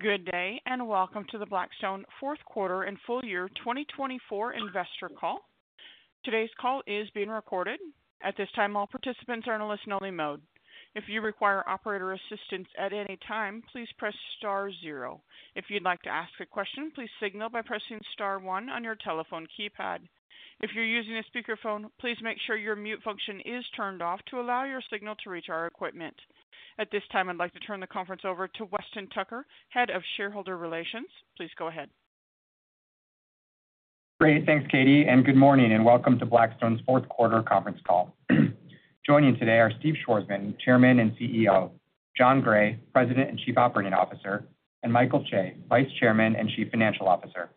Good day and welcome to the Blackstone fourth quarter and full year 2024 investor call. Today's call is being recorded. At this time, all participants are in a listen-only mode. If you require operator assistance at any time, please press star zero. If you'd like to ask a question, please signal by pressing star one on your telephone keypad. If you're using a speakerphone, please make sure your mute function is turned off to allow your signal to reach our equipment. At this time, I'd like to turn the conference over to Weston Tucker, head of shareholder relations. Please go ahead. Great. Thanks, Katie, and good morning and welcome to Blackstone's fourth quarter conference call. Joining today are Steve Schwarzman, Chairman and CEO; Jon Gray, President and Chief Operating Officer; and Michael Chae, Vice Chairman and Chief Financial Officer.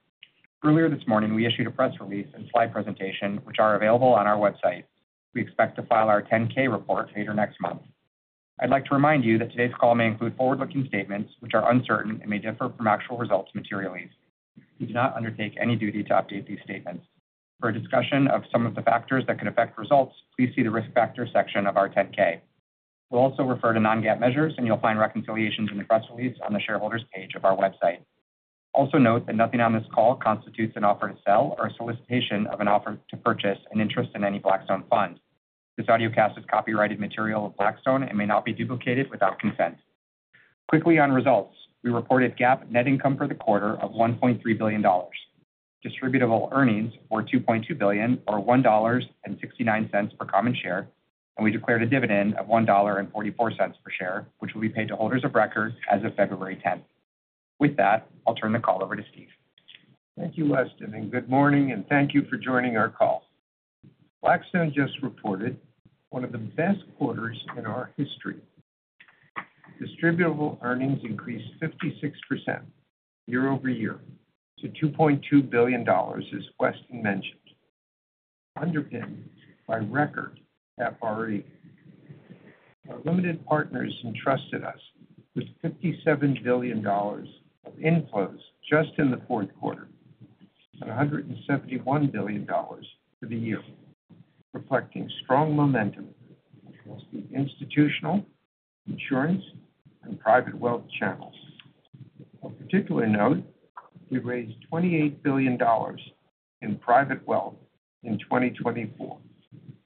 Earlier this morning, we issued a press release and slide presentation, which are available on our website. We expect to file our 10-K report later next month. I'd like to remind you that today's call may include forward-looking statements, which are uncertain and may differ from actual results materially. We do not undertake any duty to update these statements. For a discussion of some of the factors that could affect results, please see the risk factor section of our 10-K. We'll also refer to non-GAAP measures, and you'll find reconciliations in the press release on the shareholders' page of our website. Also note that nothing on this call constitutes an offer to sell or a solicitation of an offer to purchase an interest in any Blackstone fund. This audio cast is copyrighted material of Blackstone and may not be duplicated without consent. Quickly on results, we reported GAAP net income for the quarter of $1.3 billion. Distributable earnings were $2.2 billion or $1.69 per common share, and we declared a dividend of $1.44 per share, which will be paid to holders of record as of February 10th. With that, I'll turn the call over to Steve. Thank you, Weston, and good morning, and thank you for joining our call. Blackstone just reported one of the best quarters in our history. Distributable earnings increased 56% year over year to $2.2 billion, as Weston mentioned, underpinned by record FRE. Our limited partners entrusted us with $57 billion of inflows just in the fourth quarter and $171 billion for the year, reflecting strong momentum across the institutional, insurance, and private wealth channels. Of particular note, we raised $28 billion in private wealth in 2024,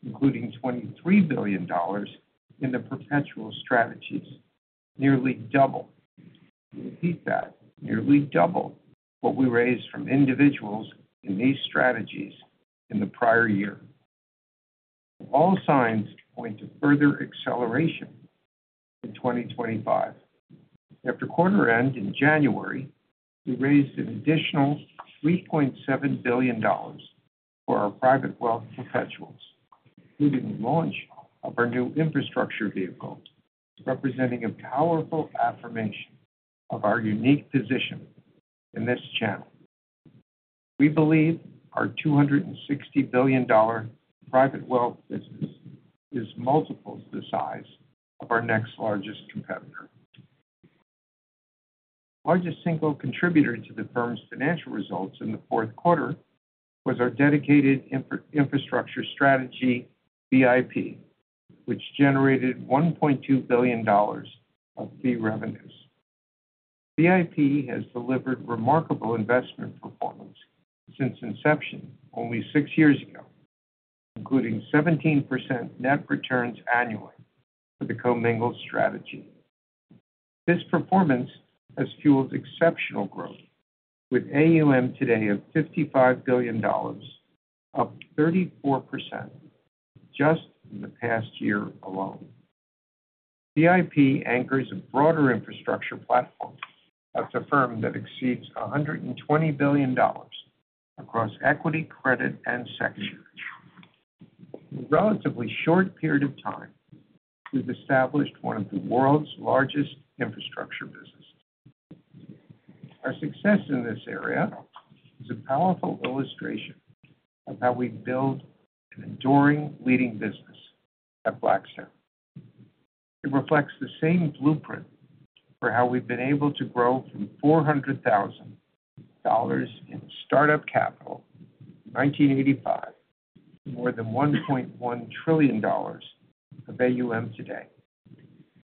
including $23 billion in the perpetual strategies, nearly double, we repeat that, nearly double what we raised from individuals in these strategies in the prior year. All signs point to further acceleration in 2025. After quarter-end in January, we raised an additional $3.7 billion for our private wealth perpetuals, including the launch of our new infrastructure vehicle, representing a powerful affirmation of our unique position in this channel. We believe our $260 billion private wealth business is multiples the size of our next largest competitor. The largest single contributor to the firm's financial results in the fourth quarter was our dedicated infrastructure strategy, BIP, which generated $1.2 billion of fee revenues. BIP has delivered remarkable investment performance since inception only six years ago, including 17% net returns annually for the commingled strategy. This performance has fueled exceptional growth, with AUM today of $55 billion, up 34% just in the past year alone. BIP anchors a broader infrastructure platform at the firm that exceeds $120 billion across equity, credit, and sector. In a relatively short period of time, we've established one of the world's largest infrastructure businesses. Our success in this area is a powerful illustration of how we build an enduring, leading business at Blackstone. It reflects the same blueprint for how we've been able to grow from $400,000 in startup capital in 1985 to more than $1.1 trillion of AUM today,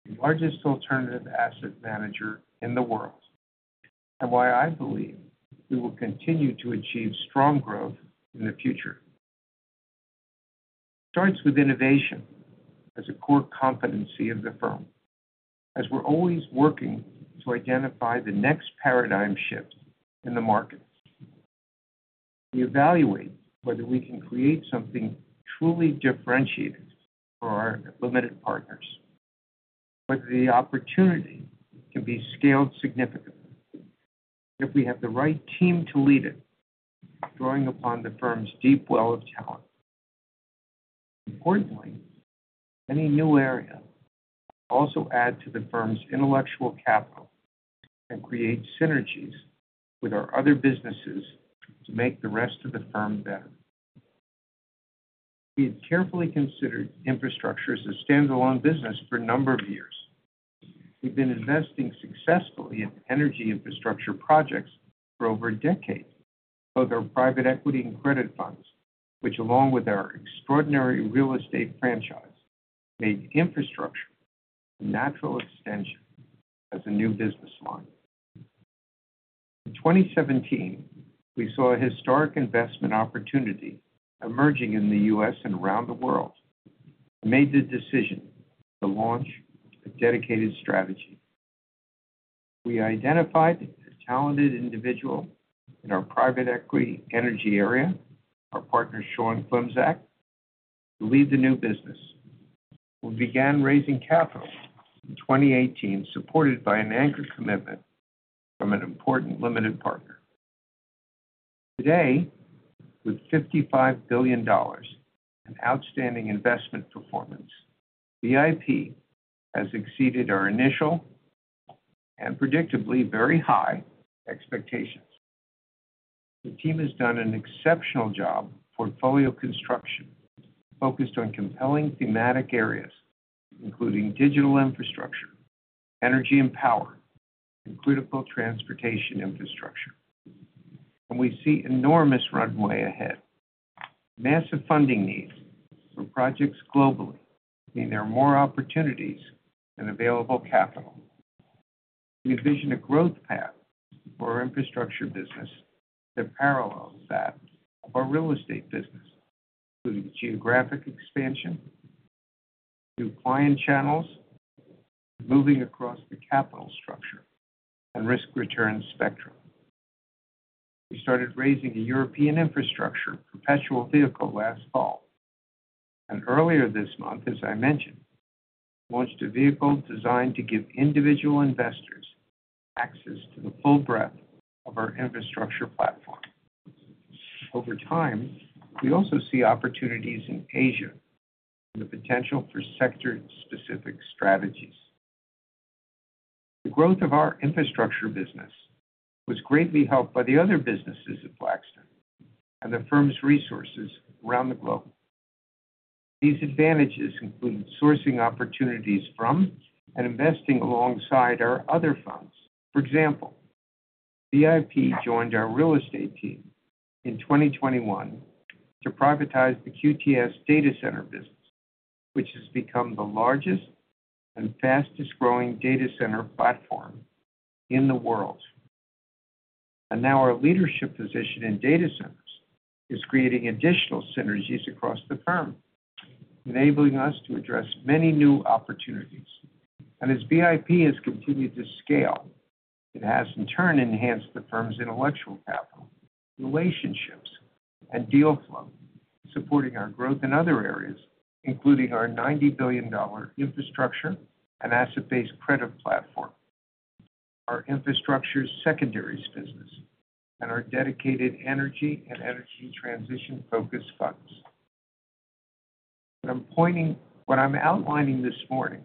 the largest alternative asset manager in the world, and why I believe we will continue to achieve strong growth in the future. It starts with innovation as a core competency of the firm, as we're always working to identify the next paradigm shift in the markets. We evaluate whether we can create something truly differentiated for our limited partners, whether the opportunity can be scaled significantly if we have the right team to lead it, drawing upon the firm's deep well of talent. Importantly, any new area will also add to the firm's intellectual capital and create synergies with our other businesses to make the rest of the firm better. We had carefully considered infrastructure as a standalone business for a number of years. We've been investing successfully in energy infrastructure projects for over a decade, both our private equity and credit funds, which, along with our extraordinary real estate franchise, made infrastructure a natural extension as a new business line. In 2017, we saw a historic investment opportunity emerging in the U.S. and around the world and made the decision to launch a dedicated strategy. We identified a talented individual in our private equity energy area, our partner Sean Klimczak, to lead the new business. We began raising capital in 2018, supported by an anchor commitment from an important limited partner. Today, with $55 billion and outstanding investment performance, BIP has exceeded our initial and predictably very high expectations. The team has done an exceptional job. Portfolio construction focused on compelling thematic areas, including digital infrastructure, energy, and power, and critical transportation infrastructure. We see enormous runway ahead, massive funding needs for projects globally, meaning there are more opportunities than available capital. We envision a growth path for our infrastructure business that parallels that of our real estate business, including geographic expansion, new client channels, moving across the capital structure and risk-return spectrum. We started raising a European infrastructure perpetual vehicle last fall, and earlier this month, as I mentioned, launched a vehicle designed to give individual investors access to the full breadth of our infrastructure platform. Over time, we also see opportunities in Asia and the potential for sector-specific strategies. The growth of our infrastructure business was greatly helped by the other businesses at Blackstone and the firm's resources around the globe. These advantages include sourcing opportunities from and investing alongside our other funds. For example, VIP joined our real estate team in 2021 to privatize the QTS data center business, which has become the largest and fastest-growing data center platform in the world. And now our leadership position in data centers is creating additional synergies across the firm, enabling us to address many new opportunities. And as VIP has continued to scale, it has, in turn, enhanced the firm's intellectual capital, relationships, and deal flow, supporting our growth in other areas, including our $90 billion infrastructure and asset-based credit platform, our infrastructure secondaries business, and our dedicated energy and energy transition-focused funds. What I'm outlining this morning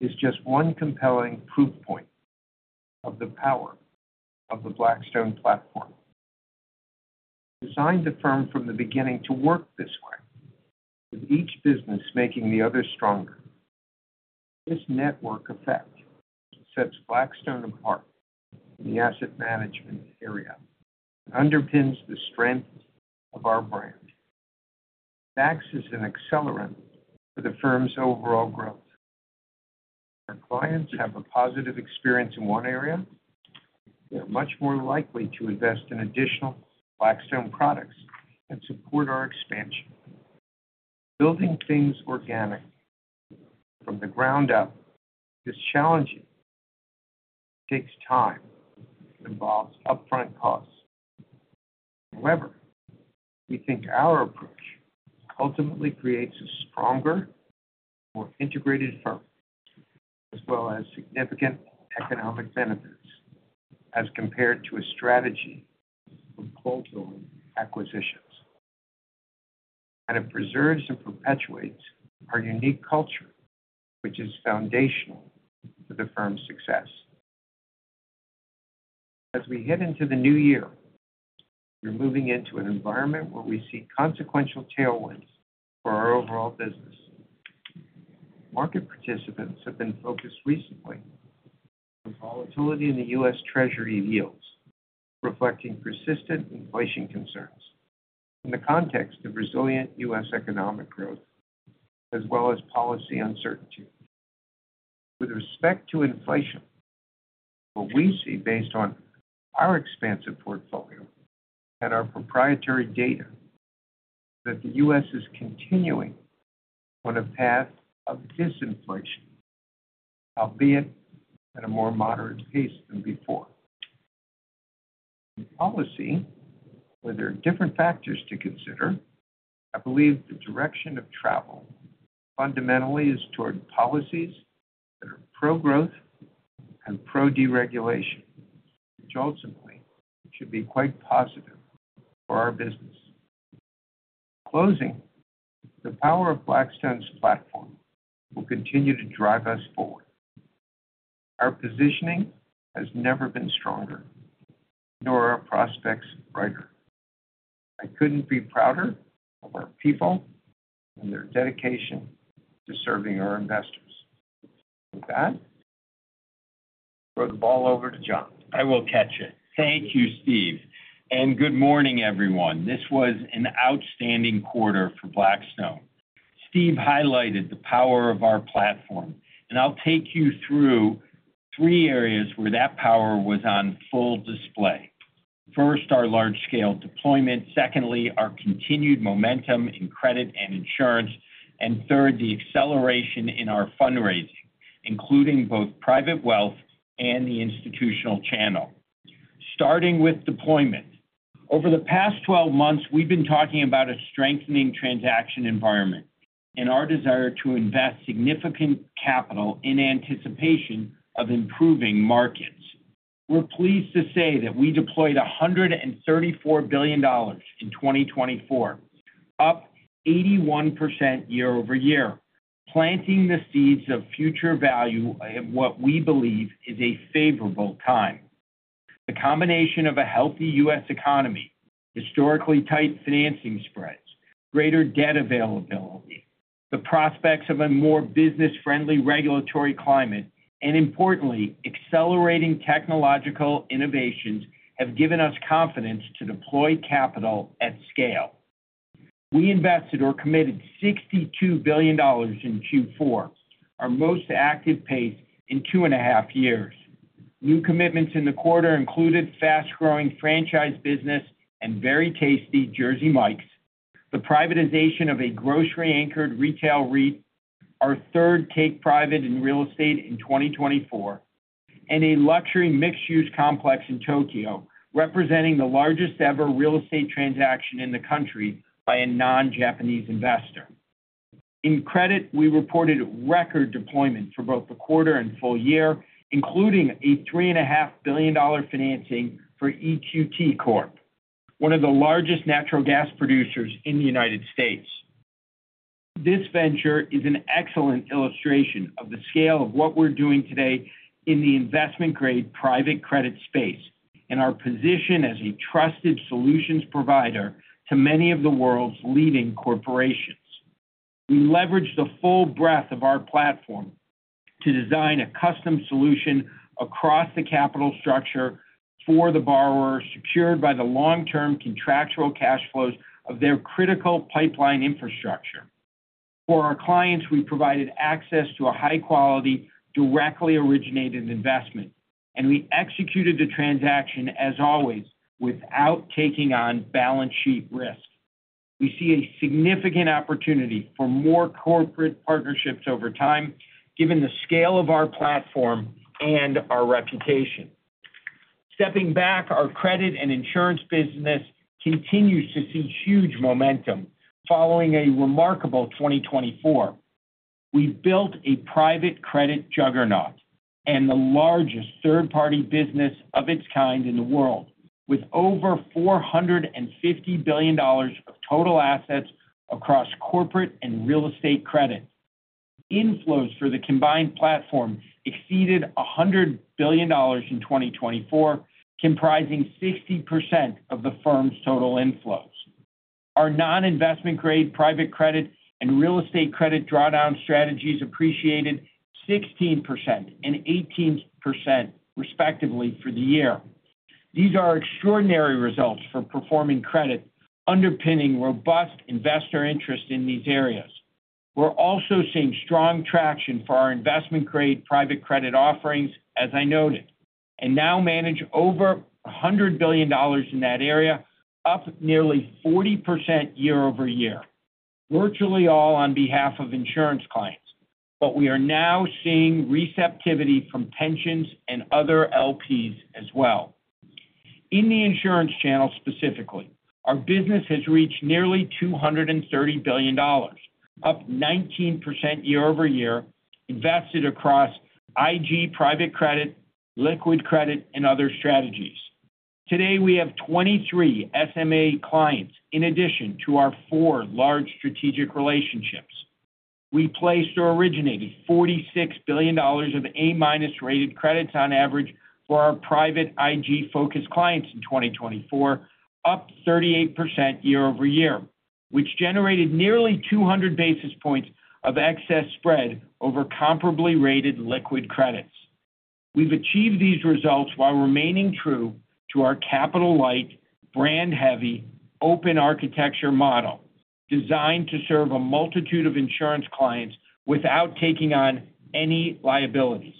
is just one compelling proof point of the power of the Blackstone platform. We designed the firm from the beginning to work this way, with each business making the other stronger. This network effect sets Blackstone apart in the asset management area and underpins the strength of our brand. It acts as an accelerant for the firm's overall growth. Our clients have a positive experience in one area. They're much more likely to invest in additional Blackstone products and support our expansion. Building things organically from the ground up is challenging. It takes time. It involves upfront costs. However, we think our approach ultimately creates a stronger, more integrated firm, as well as significant economic benefits as compared to a strategy of bolt-on acquisitions. And it preserves and perpetuates our unique culture, which is foundational to the firm's success. As we head into the new year, we're moving into an environment where we see consequential tailwinds for our overall business. Market participants have been focused recently on volatility in the U.S. Treasury yields, reflecting persistent inflation concerns in the context of resilient U.S. economic growth, as well as policy uncertainty. With respect to inflation, what we see based on our expansive portfolio and our proprietary data is that the U.S. is continuing on a path of disinflation, albeit at a more moderate pace than before. In policy, where there are different factors to consider, I believe the direction of travel fundamentally is toward policies that are pro-growth and pro-deregulation, which ultimately should be quite positive for our business. Closing, the power of Blackstone's platform will continue to drive us forward. Our positioning has never been stronger, nor our prospects brighter. I couldn't be prouder of our people and their dedication to serving our investors. With that, throw the ball over to Jon. I will catch it. Thank you, Steve. And good morning, everyone. This was an outstanding quarter for Blackstone. Steve highlighted the power of our platform, and I'll take you through three areas where that power was on full display. First, our large-scale deployment. Secondly, our continued momentum in credit and insurance. And third, the acceleration in our fundraising, including both private wealth and the institutional channel. Starting with deployment. Over the past 12 months, we've been talking about a strengthening transaction environment and our desire to invest significant capital in anticipation of improving markets. We're pleased to say that we deployed $134 billion in 2024, up 81% year over year, planting the seeds of future value at what we believe is a favorable time. The combination of a healthy U.S. economy, historically tight financing spreads, greater debt availability, the prospects of a more business-friendly regulatory climate, and importantly, accelerating technological innovations have given us confidence to deploy capital at scale. We invested or committed $62 billion in Q4, our most active pace in two and a half years. New commitments in the quarter included fast-growing franchise business and very tasty Jersey Mike's, the privatization of a grocery-anchored retail REIT, our third take-private in real estate in 2024, and a luxury mixed-use complex in Tokyo, representing the largest-ever real estate transaction in the country by a non-Japanese investor. In credit, we reported record deployment for both the quarter and full year, including a $3.5 billion financing for EQT Corp, one of the largest natural gas producers in the United States. This venture is an excellent illustration of the scale of what we're doing today in the investment-grade private credit space and our position as a trusted solutions provider to many of the world's leading corporations. We leverage the full breadth of our platform to design a custom solution across the capital structure for the borrower, secured by the long-term contractual cash flows of their critical pipeline infrastructure. For our clients, we provided access to a high-quality, directly originated investment, and we executed the transaction, as always, without taking on balance sheet risk. We see a significant opportunity for more corporate partnerships over time, given the scale of our platform and our reputation. Stepping back, our credit and insurance business continues to see huge momentum following a remarkable 2024. We built a private credit juggernaut and the largest third-party business of its kind in the world, with over $450 billion of total assets across corporate and real estate credit. Inflows for the combined platform exceeded $100 billion in 2024, comprising 60% of the firm's total inflows. Our non-investment-grade private credit and real estate credit drawdown strategies appreciated 16% and 18%, respectively, for the year. These are extraordinary results for performing credit, underpinning robust investor interest in these areas. We're also seeing strong traction for our investment-grade private credit offerings, as I noted, and now manage over $100 billion in that area, up nearly 40% year over year, virtually all on behalf of insurance clients. But we are now seeing receptivity from pensions and other LPs as well. In the insurance channel specifically, our business has reached nearly $230 billion, up 19% year over year, invested across IG private credit, liquid credit, and other strategies. Today, we have 23 SMA clients in addition to our four large strategic relationships. We placed or originated $46 billion of A-rated credits on average for our private IG-focused clients in 2024, up 38% year over year, which generated nearly 200 basis points of excess spread over comparably rated liquid credits. We've achieved these results while remaining true to our capital-light, brand-heavy, open architecture model designed to serve a multitude of insurance clients without taking on any liabilities.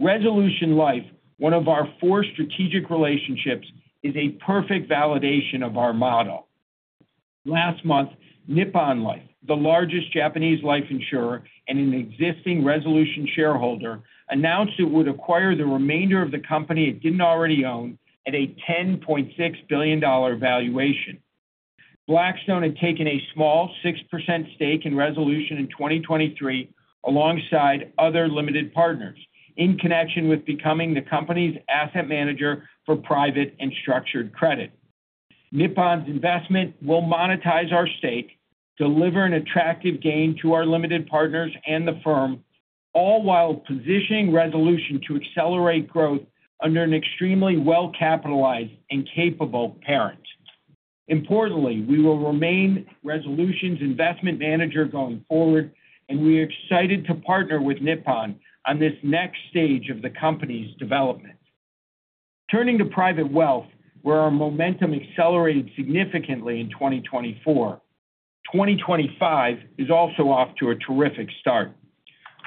Resolution Life, one of our four strategic relationships, is a perfect validation of our model. Last month, Nippon Life, the largest Japanese life insurer and an existing Resolution shareholder, announced it would acquire the remainder of the company it didn't already own at a $10.6 billion valuation. Blackstone had taken a small 6% stake in Resolution in 2023 alongside other limited partners in connection with becoming the company's asset manager for private and structured credit. Nippon's investment will monetize our stake, deliver an attractive gain to our limited partners and the firm, all while positioning Resolution to accelerate growth under an extremely well-capitalized and capable parent. Importantly, we will remain Resolution's investment manager going forward, and we are excited to partner with Nippon on this next stage of the company's development. Turning to private wealth, where our momentum accelerated significantly in 2024, 2025 is also off to a terrific start.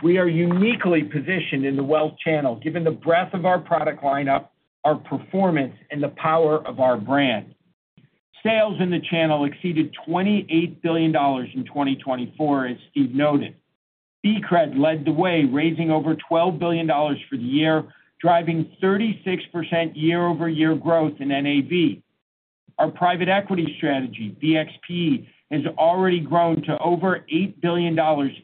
We are uniquely positioned in the wealth channel, given the breadth of our product lineup, our performance, and the power of our brand. Sales in the channel exceeded $28 billion in 2024, as Steve noted. BCRED led the way, raising over $12 billion for the year, driving 36% year-over-year growth in NAV. Our private equity strategy, BXPE, has already grown to over $8 billion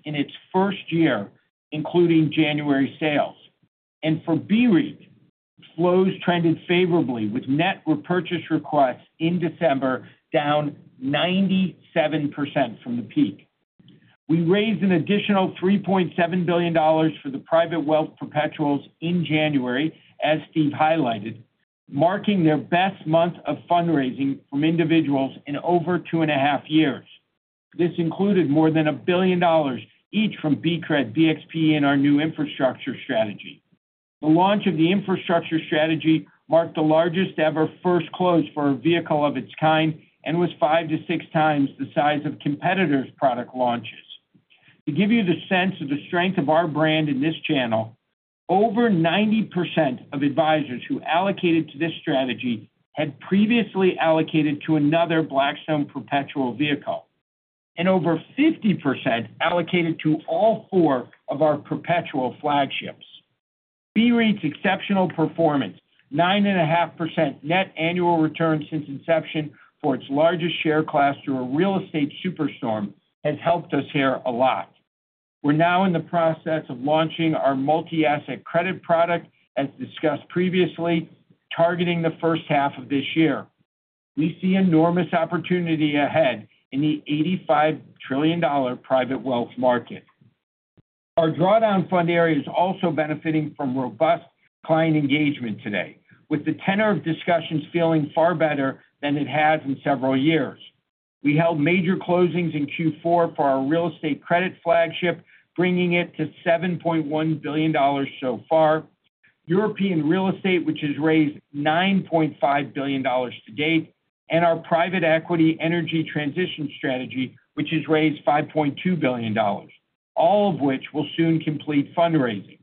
in its first year, including January sales, and for BREIT, flows trended favorably, with net repurchase requests in December down 97% from the peak. We raised an additional $3.7 billion for the private wealth perpetuals in January, as Steve highlighted, marking their best month of fundraising from individuals in over two and a half years. This included more than $1 billion each from BCRED, BXPE, and our new infrastructure strategy. The launch of the infrastructure strategy marked the largest-ever first close for a vehicle of its kind and was five to six times the size of competitors' product launches. To give you the sense of the strength of our brand in this channel, over 90% of advisors who allocated to this strategy had previously allocated to another Blackstone perpetual vehicle, and over 50% allocated to all four of our perpetual flagships. BREIT's exceptional performance, 9.5% net annual return since inception for its largest share class through a real estate superstorm, has helped us here a lot. We're now in the process of launching our multi-asset credit product, as discussed previously, targeting the first half of this year. We see enormous opportunity ahead in the $85 trillion private wealth market. Our drawdown fund area is also benefiting from robust client engagement today, with the tenor of discussions feeling far better than it has in several years. We held major closings in Q4 for our real estate credit flagship, bringing it to $7.1 billion so far, European real estate, which has raised $9.5 billion to date, and our private equity energy transition strategy, which has raised $5.2 billion, all of which will soon complete fundraising.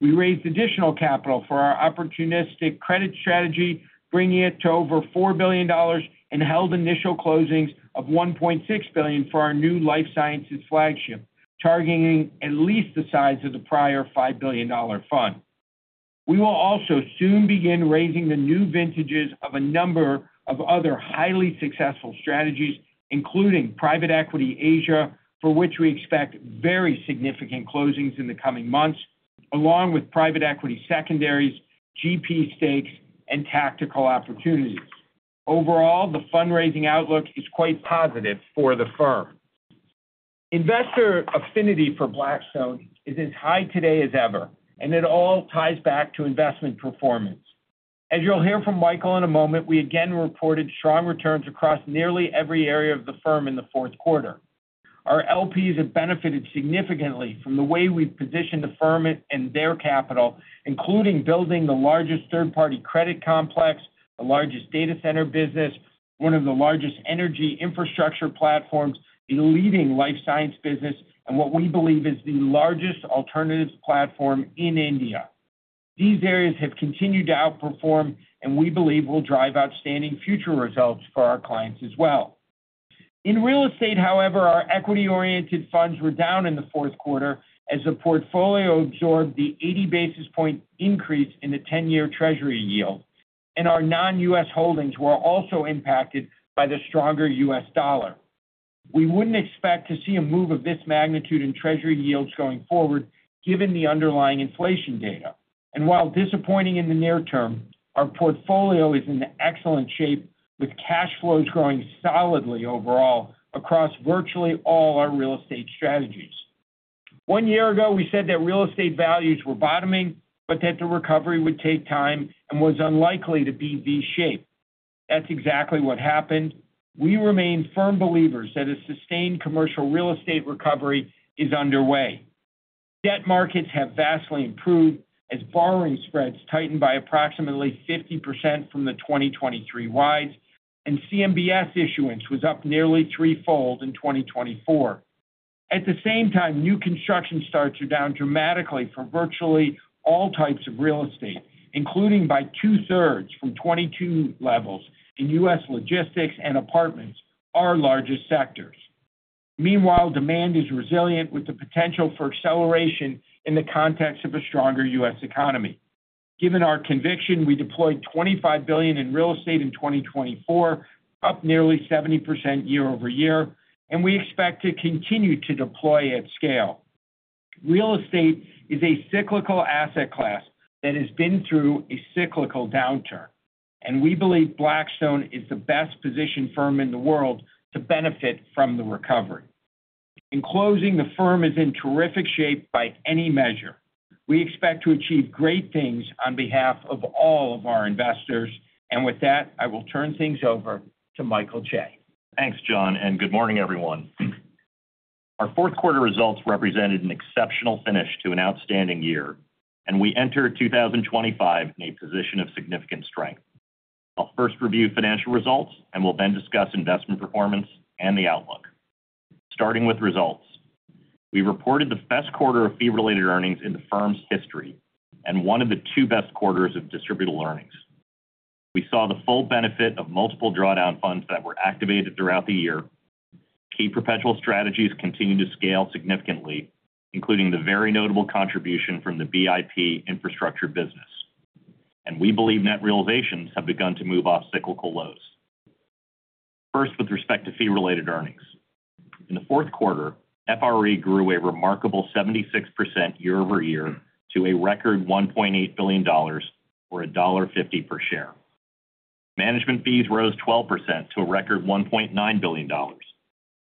We raised additional capital for our opportunistic credit strategy, bringing it to over $4 billion, and held initial closings of $1.6 billion for our new life sciences flagship, targeting at least the size of the prior $5 billion fund. We will also soon begin raising the new vintages of a number of other highly successful strategies, including private equity Asia, for which we expect very significant closings in the coming months, along with private equity secondaries, GP stakes, and tactical opportunities. Overall, the fundraising outlook is quite positive for the firm. Investor affinity for Blackstone is as high today as ever, and it all ties back to investment performance. As you'll hear from Michael in a moment, we again reported strong returns across nearly every area of the firm in the fourth quarter. Our LPs have benefited significantly from the way we've positioned the firm and their capital, including building the largest third-party credit complex, the largest data center business, one of the largest energy infrastructure platforms, a leading life science business, and what we believe is the largest alternative platform in India. These areas have continued to outperform, and we believe will drive outstanding future results for our clients as well. In real estate, however, our equity-oriented funds were down in the fourth quarter as the portfolio absorbed the 80 basis point increase in the 10-year Treasury yield, and our non-U.S. holdings were also impacted by the stronger U.S. dollar. We wouldn't expect to see a move of this magnitude in Treasury yields going forward, given the underlying inflation data, and while disappointing in the near term, our portfolio is in excellent shape, with cash flows growing solidly overall across virtually all our real estate strategies. One year ago, we said that real estate values were bottoming, but that the recovery would take time and was unlikely to be V-shaped. That's exactly what happened. We remain firm believers that a sustained commercial real estate recovery is underway. Debt markets have vastly improved as borrowing spreads tightened by approximately 50% from the 2023 wides, and CMBS issuance was up nearly threefold in 2024. At the same time, new construction starts are down dramatically for virtually all types of real estate, including by two-thirds from 2022 levels in U.S. logistics and apartments, our largest sectors. Meanwhile, demand is resilient with the potential for acceleration in the context of a stronger U.S. economy. Given our conviction, we deployed $25 billion in real estate in 2024, up nearly 70% year-over-year, and we expect to continue to deploy at scale. Real estate is a cyclical asset class that has been through a cyclical downturn, and we believe Blackstone is the best-positioned firm in the world to benefit from the recovery. In closing, the firm is in terrific shape by any measure. We expect to achieve great things on behalf of all of our investors, and with that, I will turn things over to Michael Chae. Thanks, Jon, and good morning, everyone. Our fourth quarter results represented an exceptional finish to an outstanding year, and we enter 2025 in a position of significant strength. I'll first review financial results, and we'll then discuss investment performance and the outlook. Starting with results, we reported the best quarter of fee-related earnings in the firm's history and one of the two best quarters of distributable earnings. We saw the full benefit of multiple drawdown funds that were activated throughout the year. Key perpetual strategies continue to scale significantly, including the very notable contribution from the BIP infrastructure business, and we believe net realizations have begun to move off cyclical lows. First, with respect to fee-related earnings, in the fourth quarter, FRE grew a remarkable 76% year-over-year to a record $1.8 billion or $1.50 per share. Management fees rose 12% to a record $1.9 billion,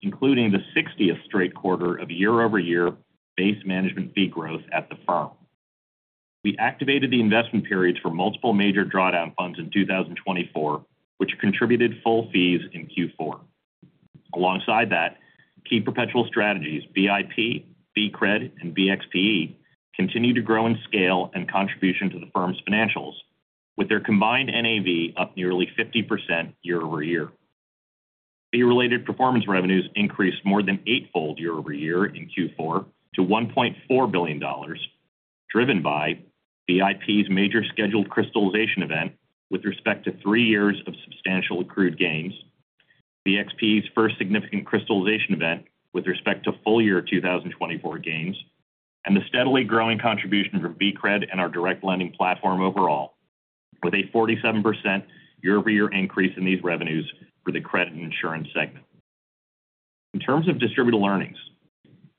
including the 60th straight quarter of year-over-year base management fee growth at the firm. We activated the investment periods for multiple major drawdown funds in 2024, which contributed full fees in Q4. Alongside that, key perpetual strategies, BIP, BCRED, and BXPE, continue to grow in scale and contribution to the firm's financials, with their combined NAV up nearly 50% year-over-year. Fee-related performance revenues increased more than eightfold year-over-year in Q4 to $1.4 billion, driven by BIP's major scheduled crystallization event with respect to three years of substantial accrued gains, BXPE's first significant crystallization event with respect to full year 2024 gains, and the steadily growing contribution from BCRED and our direct lending platform overall, with a 47% year-over-year increase in these revenues for the credit and insurance segment. In terms of distributed earnings,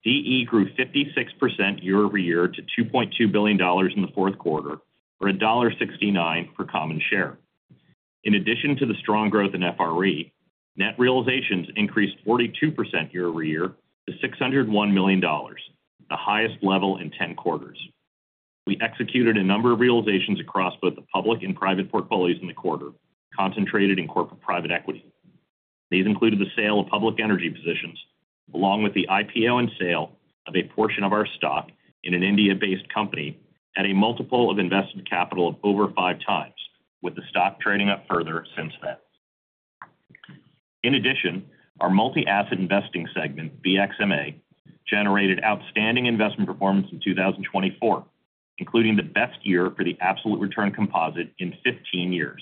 DE grew 56% year-over-year to $2.2 billion in the fourth quarter or $1.69 per common share. In addition to the strong growth in FRE, net realizations increased 42% year-over-year to $601 million, the highest level in 10 quarters. We executed a number of realizations across both the public and private portfolios in the quarter, concentrated in corporate private equity. These included the sale of public energy positions, along with the IPO and sale of a portion of our stock in an India-based company at a multiple of invested capital of over five times, with the stock trading up further since then. In addition, our multi-asset investing segment, BXMA, generated outstanding investment performance in 2024, including the best year for the absolute return composite in 15 years.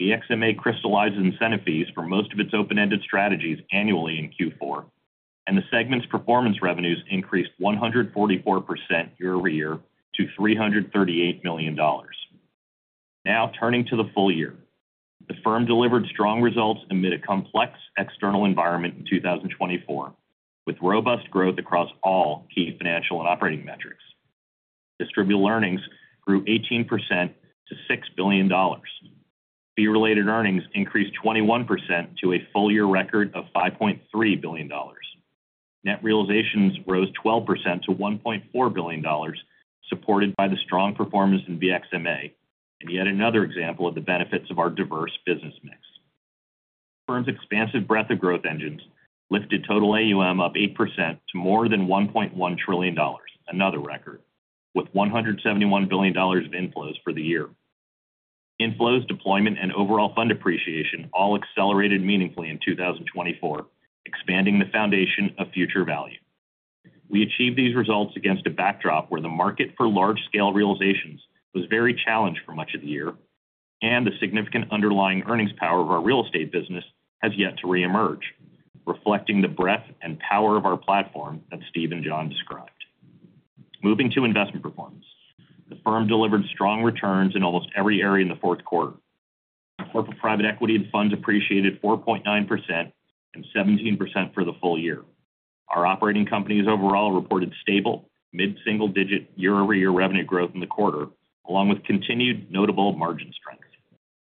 BXMA crystallized incentive fees for most of its open-ended strategies annually in Q4, and the segment's performance revenues increased 144% year-over-year to $338 million. Now turning to the full year, the firm delivered strong results amid a complex external environment in 2024, with robust growth across all key financial and operating metrics. Distributable earnings grew 18% to $6 billion. Fee-related earnings increased 21% to a full year record of $5.3 billion. Net realizations rose 12% to $1.4 billion, supported by the strong performance in BXMA, and yet another example of the benefits of our diverse business mix. The firm's expansive breadth of growth engines lifted total AUM up 8% to more than $1.1 trillion, another record, with $171 billion of inflows for the year. Inflows, deployment, and overall fund appreciation all accelerated meaningfully in 2024, expanding the foundation of future value. We achieved these results against a backdrop where the market for large-scale realizations was very challenged for much of the year, and the significant underlying earnings power of our real estate business has yet to reemerge, reflecting the breadth and power of our platform that Steve and Jon described. Moving to investment performance, the firm delivered strong returns in almost every area in the fourth quarter. Corporate private equity and funds appreciated 4.9% and 17% for the full year. Our operating companies overall reported stable, mid-single-digit year-over-year revenue growth in the quarter, along with continued notable margin strength.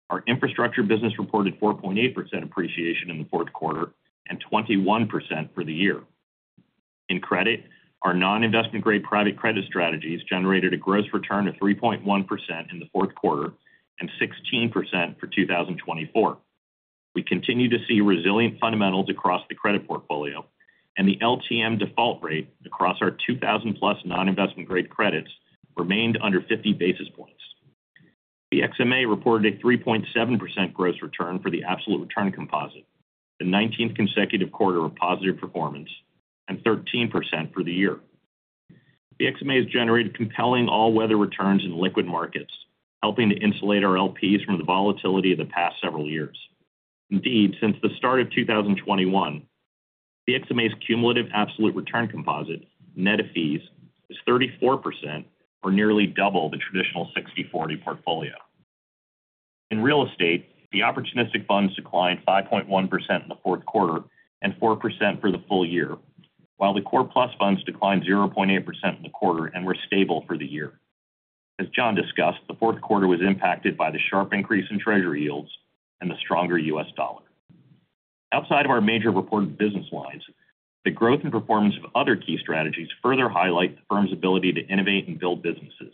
Our infrastructure business reported 4.8% appreciation in the fourth quarter and 21% for the year. In credit, our non-investment-grade private credit strategies generated a gross return of 3.1% in the fourth quarter and 16% for 2024. We continue to see resilient fundamentals across the credit portfolio, and the LTM default rate across our 2,000-plus non-investment-grade credits remained under 50 basis points. BXMA reported a 3.7% gross return for the absolute return composite, the 19th consecutive quarter of positive performance, and 13% for the year. BXMA has generated compelling all-weather returns in liquid markets, helping to insulate our LPs from the volatility of the past several years. Indeed, since the start of 2021, BXMA's cumulative absolute return composite, net of fees, is 34% or nearly double the traditional 60/40 portfolio. In real estate, the opportunistic funds declined 5.1% in the fourth quarter and 4% for the full year, while the core plus funds declined 0.8% in the quarter and were stable for the year. As Jon discussed, the fourth quarter was impacted by the sharp increase in Treasury yields and the stronger U.S. dollar. Outside of our major reported business lines, the growth and performance of other key strategies further highlight the firm's ability to innovate and build businesses.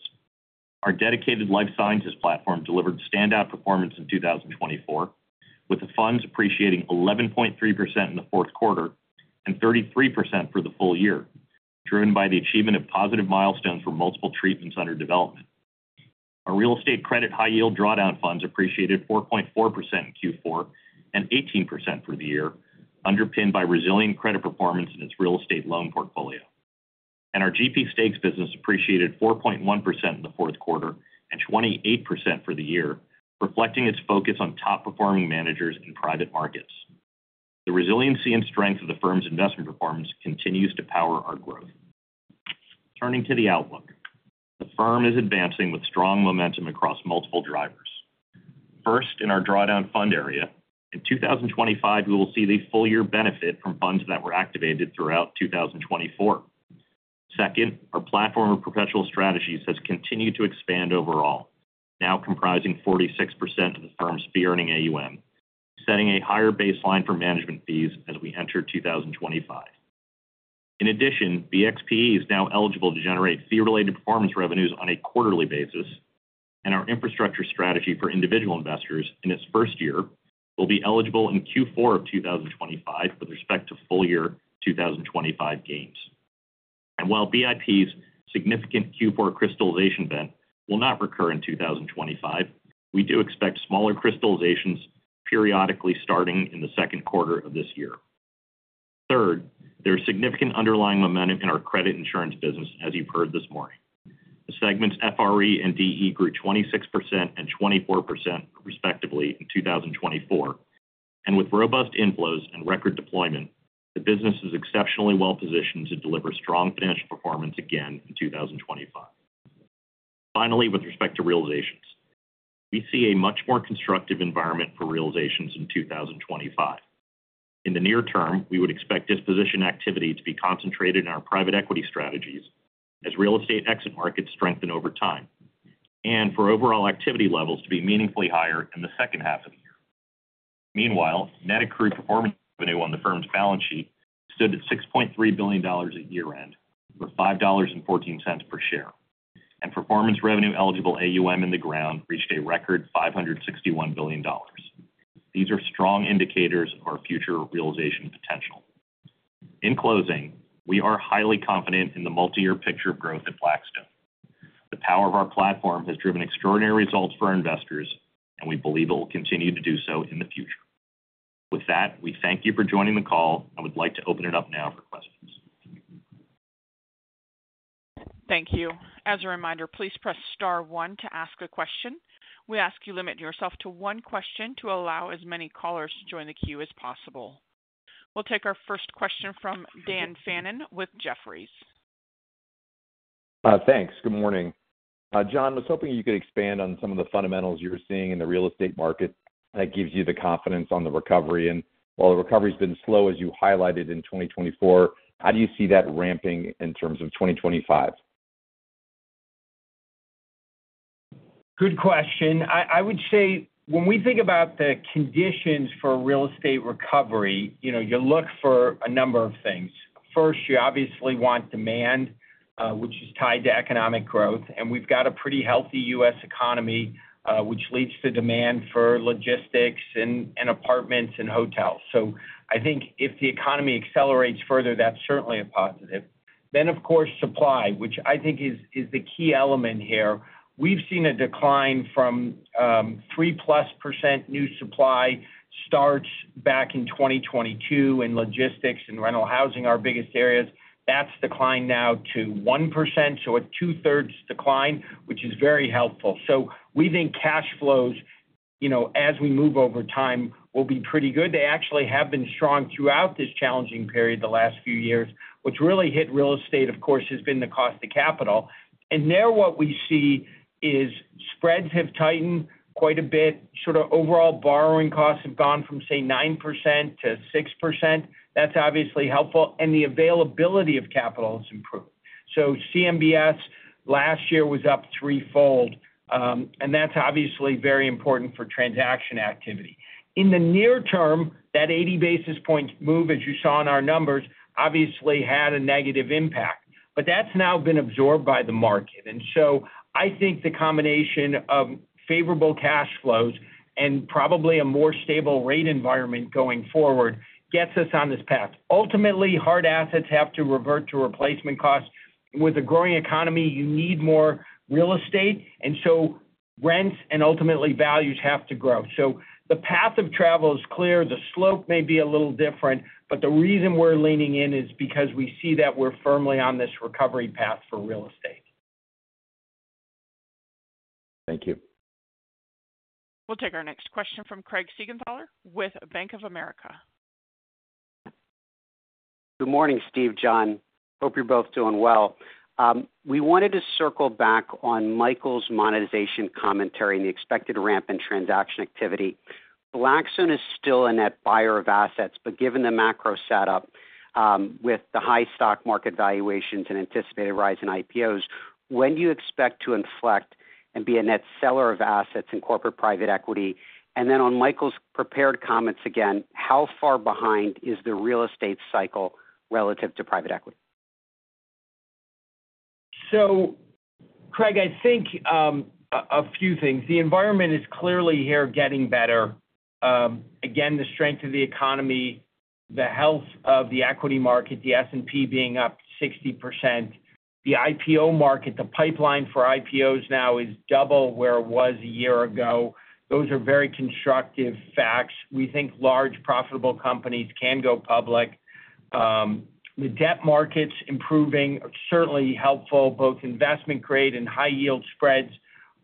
Our dedicated life sciences platform delivered standout performance in 2024, with the funds appreciating 11.3% in the fourth quarter and 33% for the full year, driven by the achievement of positive milestones for multiple treatments under development. Our real estate credit high-yield drawdown funds appreciated 4.4% in Q4 and 18% for the year, underpinned by resilient credit performance in its real estate loan portfolio. Our GP stakes business appreciated 4.1% in the fourth quarter and 28% for the year, reflecting its focus on top-performing managers in private markets. The resiliency and strength of the firm's investment performance continues to power our growth. Turning to the outlook, the firm is advancing with strong momentum across multiple drivers. First, in our drawdown fund area, in 2025, we will see the full year benefit from funds that were activated throughout 2024. Second, our platform of perpetual strategies has continued to expand overall, now comprising 46% of the firm's fee-earning AUM, setting a higher baseline for management fees as we enter 2025. In addition, BXPE is now eligible to generate fee-related performance revenues on a quarterly basis, and our infrastructure strategy for individual investors in its first year will be eligible in Q4 of 2025 with respect to full year 2025 gains. While BIP's significant Q4 crystallization event will not recur in 2025, we do expect smaller crystallizations periodically starting in the second quarter of this year. Third, there is significant underlying momentum in our credit insurance business, as you've heard this morning. The segments FRE and DE grew 26% and 24% respectively in 2024, and with robust inflows and record deployment, the business is exceptionally well-positioned to deliver strong financial performance again in 2025. Finally, with respect to realizations, we see a much more constructive environment for realizations in 2025. In the near term, we would expect disposition activity to be concentrated in our private equity strategies as real estate exit markets strengthen over time, and for overall activity levels to be meaningfully higher in the second half of the year. Meanwhile, net accrued performance revenue on the firm's balance sheet stood at $6.3 billion at year-end or $5.14 per share, and performance revenue eligible AUM in the ground reached a record $561 billion. These are strong indicators of our future realization potential. In closing, we are highly confident in the multi-year picture of growth at Blackstone. The power of our platform has driven extraordinary results for our investors, and we believe it will continue to do so in the future. With that, we thank you for joining the call, and I would like to open it up now for questions. Thank you. As a reminder, please press star one to ask a question. We ask you limit yourself to one question to allow as many callers to join the queue as possible. We'll take our first question from Dan Fannon with Jefferies. Thanks. Good morning. Jon, I was hoping you could expand on some of the fundamentals you're seeing in the real estate market that gives you the confidence on the recovery, and while the recovery has been slow, as you highlighted in 2024, how do you see that ramping in terms of 2025? Good question. I would say when we think about the conditions for real estate recovery, you look for a number of things. First, you obviously want demand, which is tied to economic growth, and we've got a pretty healthy U.S. economy, which leads to demand for logistics and apartments and hotels, so I think if the economy accelerates further, that's certainly a positive, then, of course, supply, which I think is the key element here. We've seen a decline from 3-plus% new supply starts back in 2022 in logistics and rental housing, our biggest areas. That's declined now to 1%, so a two-thirds decline, which is very helpful. So we think cash flows, as we move over time, will be pretty good. They actually have been strong throughout this challenging period the last few years. What's really hit real estate, of course, has been the cost of capital. And there what we see is spreads have tightened quite a bit. Sort of overall borrowing costs have gone from, say, 9% to 6%. That's obviously helpful, and the availability of capital has improved. So CMBS last year was up threefold, and that's obviously very important for transaction activity. In the near term, that 80 basis point move, as you saw in our numbers, obviously had a negative impact, but that's now been absorbed by the market. And so I think the combination of favorable cash flows and probably a more stable rate environment going forward gets us on this path. Ultimately, hard assets have to revert to replacement costs. With a growing economy, you need more real estate, and so rents and ultimately values have to grow. So the path of travel is clear. The slope may be a little different, but the reason we're leaning in is because we see that we're firmly on this recovery path for real estate. Thank you. We'll take our next question from Craig Siegenthaler with Bank of America. Good morning, Steve and Jon. Hope you're both doing well. We wanted to circle back on Michael's monetization commentary and the expected ramp in transaction activity. Blackstone is still a net buyer of assets, but given the macro setup with the high stock market valuations and anticipated rise in IPOs, when do you expect to inflect and be a net seller of assets in corporate private equity? And then on Michael's prepared comments again, how far behind is the real estate cycle relative to private equity? So, Craig, I think a few things. The environment is clearly here getting better. Again, the strength of the economy, the health of the equity market, the S&P being up 60%, the IPO market, the pipeline for IPOs now is double where it was a year ago. Those are very constructive facts. We think large profitable companies can go public. The debt market's improving are certainly helpful. Both investment grade and high-yield spreads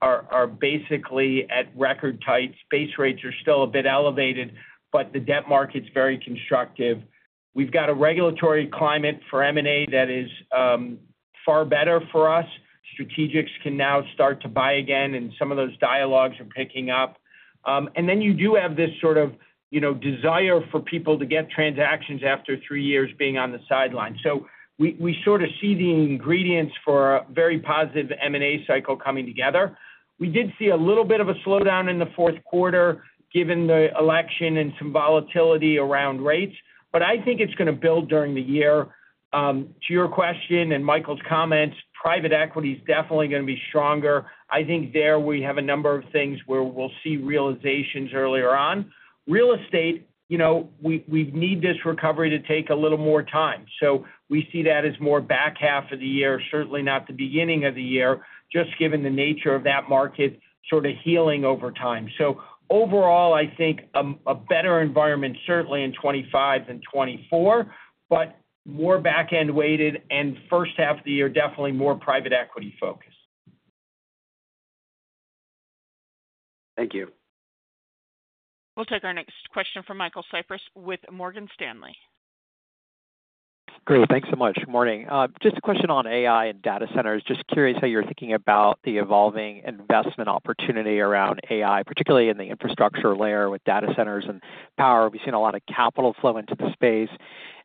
are basically at record tight. Base rates are still a bit elevated, but the debt market's very constructive. We've got a regulatory climate for M&A that is far better for U.S. Strategics can now start to buy again, and some of those dialogues are picking up. And then you do have this sort of desire for people to get transactions after three years being on the sideline. So we sort of see the ingredients for a very positive M&A cycle coming together. We did see a little bit of a slowdown in the fourth quarter given the election and some volatility around rates, but I think it's going to build during the year. To your question and Michael's comments, private equity is definitely going to be stronger. I think there we have a number of things where we'll see realizations earlier on. Real estate, we need this recovery to take a little more time. So we see that as more back half of the year, certainly not the beginning of the year, just given the nature of that market sort of healing over time. So overall, I think a better environment certainly in 2025 than 2024, but more back-end weighted and first half of the year definitely more private equity focus Thank you. We'll take our next question from Michael Cyprys with Morgan Stanley. Great. Thanks so much. Good morning. Just a question on AI and data centers. Just curious how you're thinking about the evolving investment opportunity around AI, particularly in the infrastructure layer with data centers and power. We've seen a lot of capital flow into the space,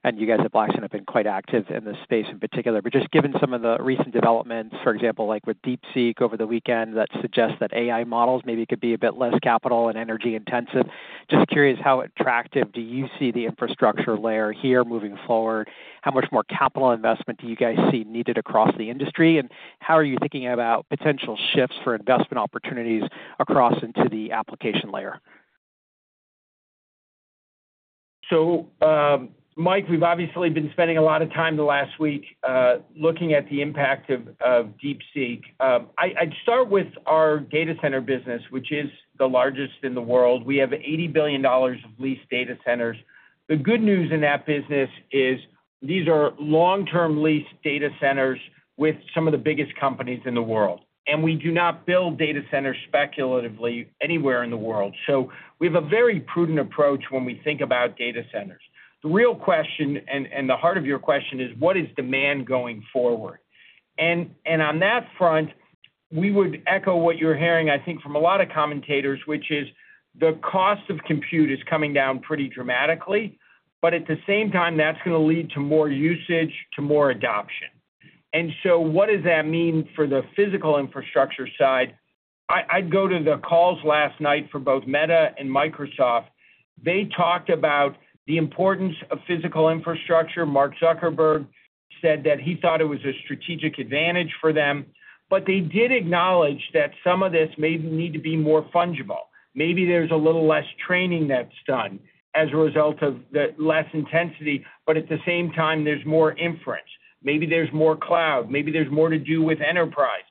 and you guys at Blackstone have been quite active in this space in particular. But just given some of the recent developments, for example, like with DeepSeek over the weekend, that suggests that AI models maybe could be a bit less capital and energy intensive. Just curious, how attractive do you see the infrastructure layer here moving forward? How much more capital investment do you guys see needed across the industry? And how are you thinking about potential shifts for investment opportunities across into the application layer? So, Mike, we've obviously been spending a lot of time the last week looking at the impact of DeepSeek. I'd start with our data center business, which is the largest in the world. We have $80 billion of leased data centers. The good news in that business is these are long-term leased data centers with some of the biggest companies in the world, and we do not build data centers speculatively anywhere in the world. So we have a very prudent approach when we think about data centers. The real question and the heart of your question is, what is demand going forward? And on that front, we would echo what you're hearing, I think, from a lot of commentators, which is the cost of compute is coming down pretty dramatically, but at the same time, that's going to lead to more usage, to more adoption. And so what does that mean for the physical infrastructure side? I'd go to the calls last night for both Meta and Microsoft. They talked about the importance of physical infrastructure. Mark Zuckerberg said that he thought it was a strategic advantage for them, but they did acknowledge that some of this may need to be more fungible. Maybe there's a little less training that's done as a result of the less intensity, but at the same time, there's more inference. Maybe there's more cloud. Maybe there's more to do with enterprise,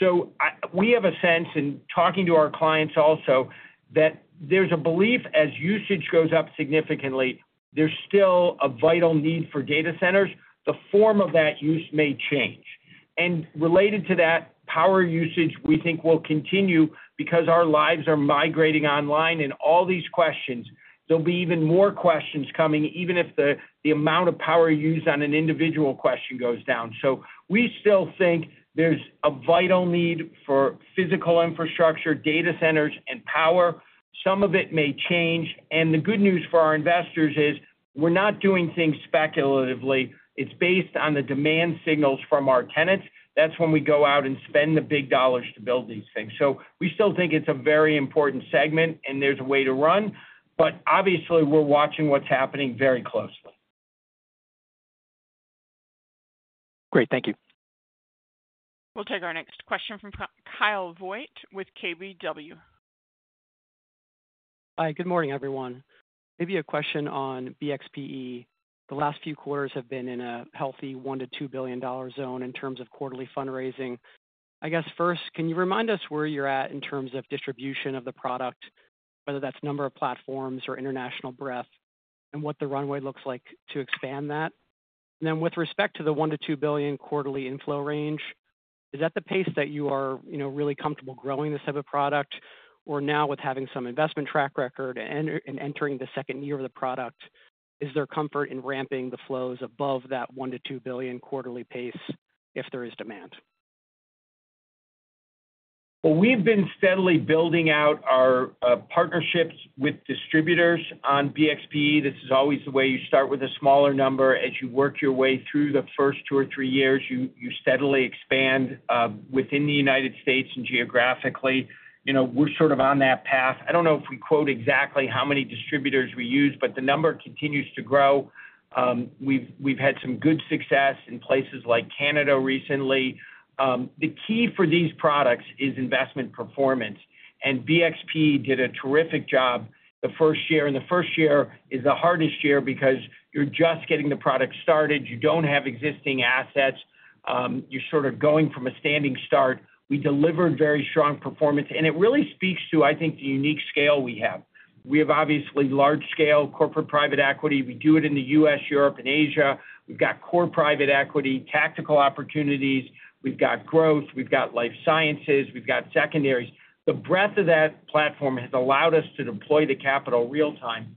so we have a sense, and talking to our clients also, that there's a belief that as usage goes up significantly, there's still a vital need for data centers. The form of that use may change, and related to that, power usage, we think will continue because our lives are migrating online and all these questions. There'll be even more questions coming, even if the amount of power used on an individual question goes down. So we still think there's a vital need for physical infrastructure, data centers, and power. Some of it may change, and the good news for our investors is we're not doing things speculatively. It's based on the demand signals from our tenants. That's when we go out and spend the big dollars to build these things. So we still think it's a very important segment, and there's a way to run, but obviously, we're watching what's happening very closely. Great. Thank you. We'll take our next question from Kyle Voigt with KBW. Hi. Good morning, everyone. Maybe a question on BXPE. The last few quarters have been in a healthy $1 billion-$2 billion zone in terms of quarterly fundraising. I guess first, can you remind us where you're at in terms of distribution of the product, whether that's number of platforms or international breadth, and what the runway looks like to expand that? And then with respect to the $1 billion-$2 billion quarterly inflow range, is that the pace that you are really comfortable growing this type of product? Or now, with having some investment track record and entering the second year of the product, is there comfort in ramping the flows above that $1-$2 billion quarterly pace if there is demand? Well, we've been steadily building out our partnerships with distributors on BXPE. This is always the way you start with a smaller number. As you work your way through the first two or three years, you steadily expand within the United States and geographically. We're sort of on that path. I don't know if we quote exactly how many distributors we use, but the number continues to grow. We've had some good success in places like Canada recently. The key for these products is investment performance, and BXPE did a terrific job the first year, and the first year is the hardest year because you're just getting the product started. You don't have existing assets. You're sort of going from a standing start. We delivered very strong performance, and it really speaks to, I think, the unique scale we have. We have obviously large-scale corporate private equity. We do it in the U.S., Europe, and Asia. We've got core private equity, tactical opportunities. We've got growth. We've got life sciences. We've got secondaries. The breadth of that platform has allowed us to deploy the capital real-time.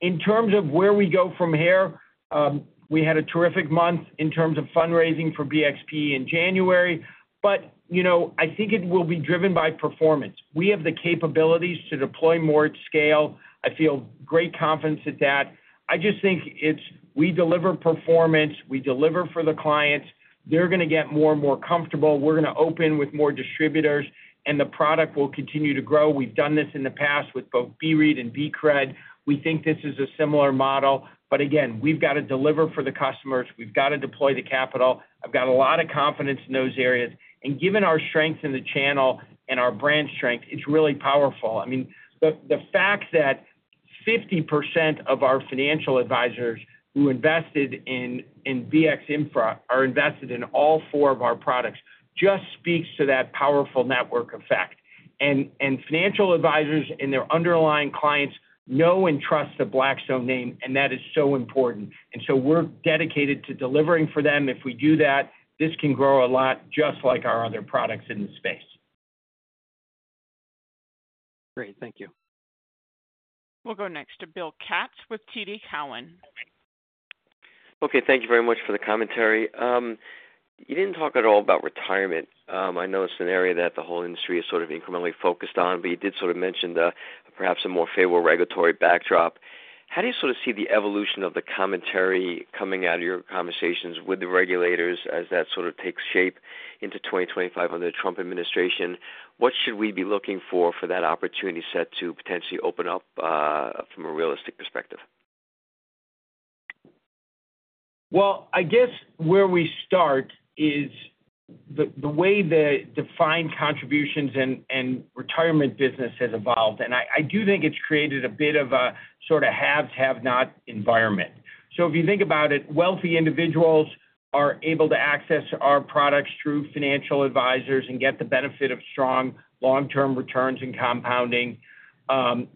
In terms of where we go from here, we had a terrific month in terms of fundraising for BXPE in January, but I think it will be driven by performance. We have the capabilities to deploy more at scale. I feel great confidence at that. I just think it's we deliver performance. We deliver for the clients. They're going to get more and more comfortable. We're going to open with more distributors, and the product will continue to grow. We've done this in the past with both BREIT and BCRED. We think this is a similar model, but again, we've got to deliver for the customers. We've got to deploy the capital. I've got a lot of confidence in those areas. Given our strength in the channel and our brand strength, it's really powerful. I mean, the fact that 50% of our financial advisors who invested in BX Infra are invested in all four of our products just speaks to that powerful network effect. Financial advisors and their underlying clients know and trust the Blackstone name, and that is so important. We're dedicated to delivering for them. If we do that, this can grow a lot, just like our other products in the space. Great. Thank you. We'll go next to Bill Katz with TD Cowen. Okay. Thank you very much for the commentary. You didn't talk at all about retirement. I know it's an area that the whole industry is sort of incrementally focused on, but you did sort of mention perhaps a more favorable regulatory backdrop. How do you sort of see the evolution of the commentary coming out of your conversations with the regulators as that sort of takes shape into 2025 under the Trump administration? What should we be looking for for that opportunity set to potentially open up from a realisticperspective? Well, I guess where we start is the way the defined contributions and retirement business has evolved. And I do think it's created a bit of a sort of haves-have-nots environment. So if you think about it, wealthy individuals are able to access our products through financial advisors and get the benefit of strong long-term returns and compounding.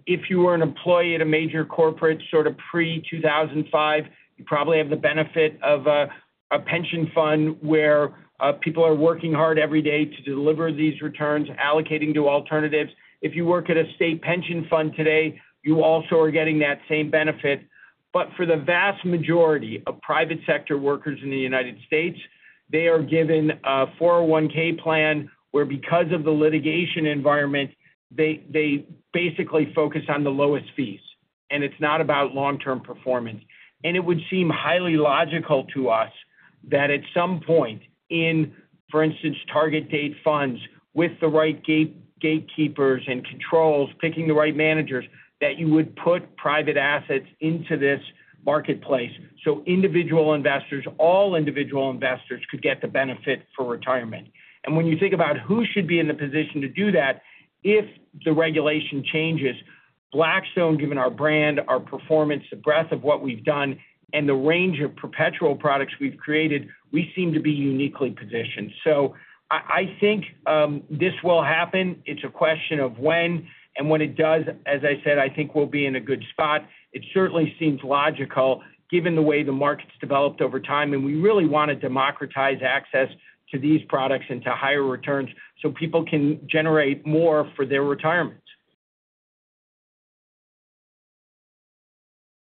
If you were an employee at a major corporate sort of pre-2005, you probably have the benefit of a pension fund where people are working hard every day to deliver these returns, allocating to alternatives. If you work at a state pension fund today, you also are getting that same benefit. But for the vast majority of private sector workers in the United States, they are given a 401(k) plan where, because of the litigation environment, they basically focus on the lowest fees, and it's not about long-term performance, and it would seem highly logical to us that at some point in, for instance, target-date funds with the right gatekeepers and controls, picking the right managers, that you would put private assets into this marketplace so individual investors, all individual investors, could get the benefit for retirement. And when you think about who should be in the position to do that, if the regulation changes, Blackstone, given our brand, our performance, the breadth of what we've done, and the range of perpetual products we've created, we seem to be uniquely positioned. So I think this will happen. It's a question of when. And when it does, as I said, I think we'll be in a good spot. It certainly seems logical given the way the market's developed over time, and we really want to democratize access to these products and to higher returns so people can generate more for their retirements.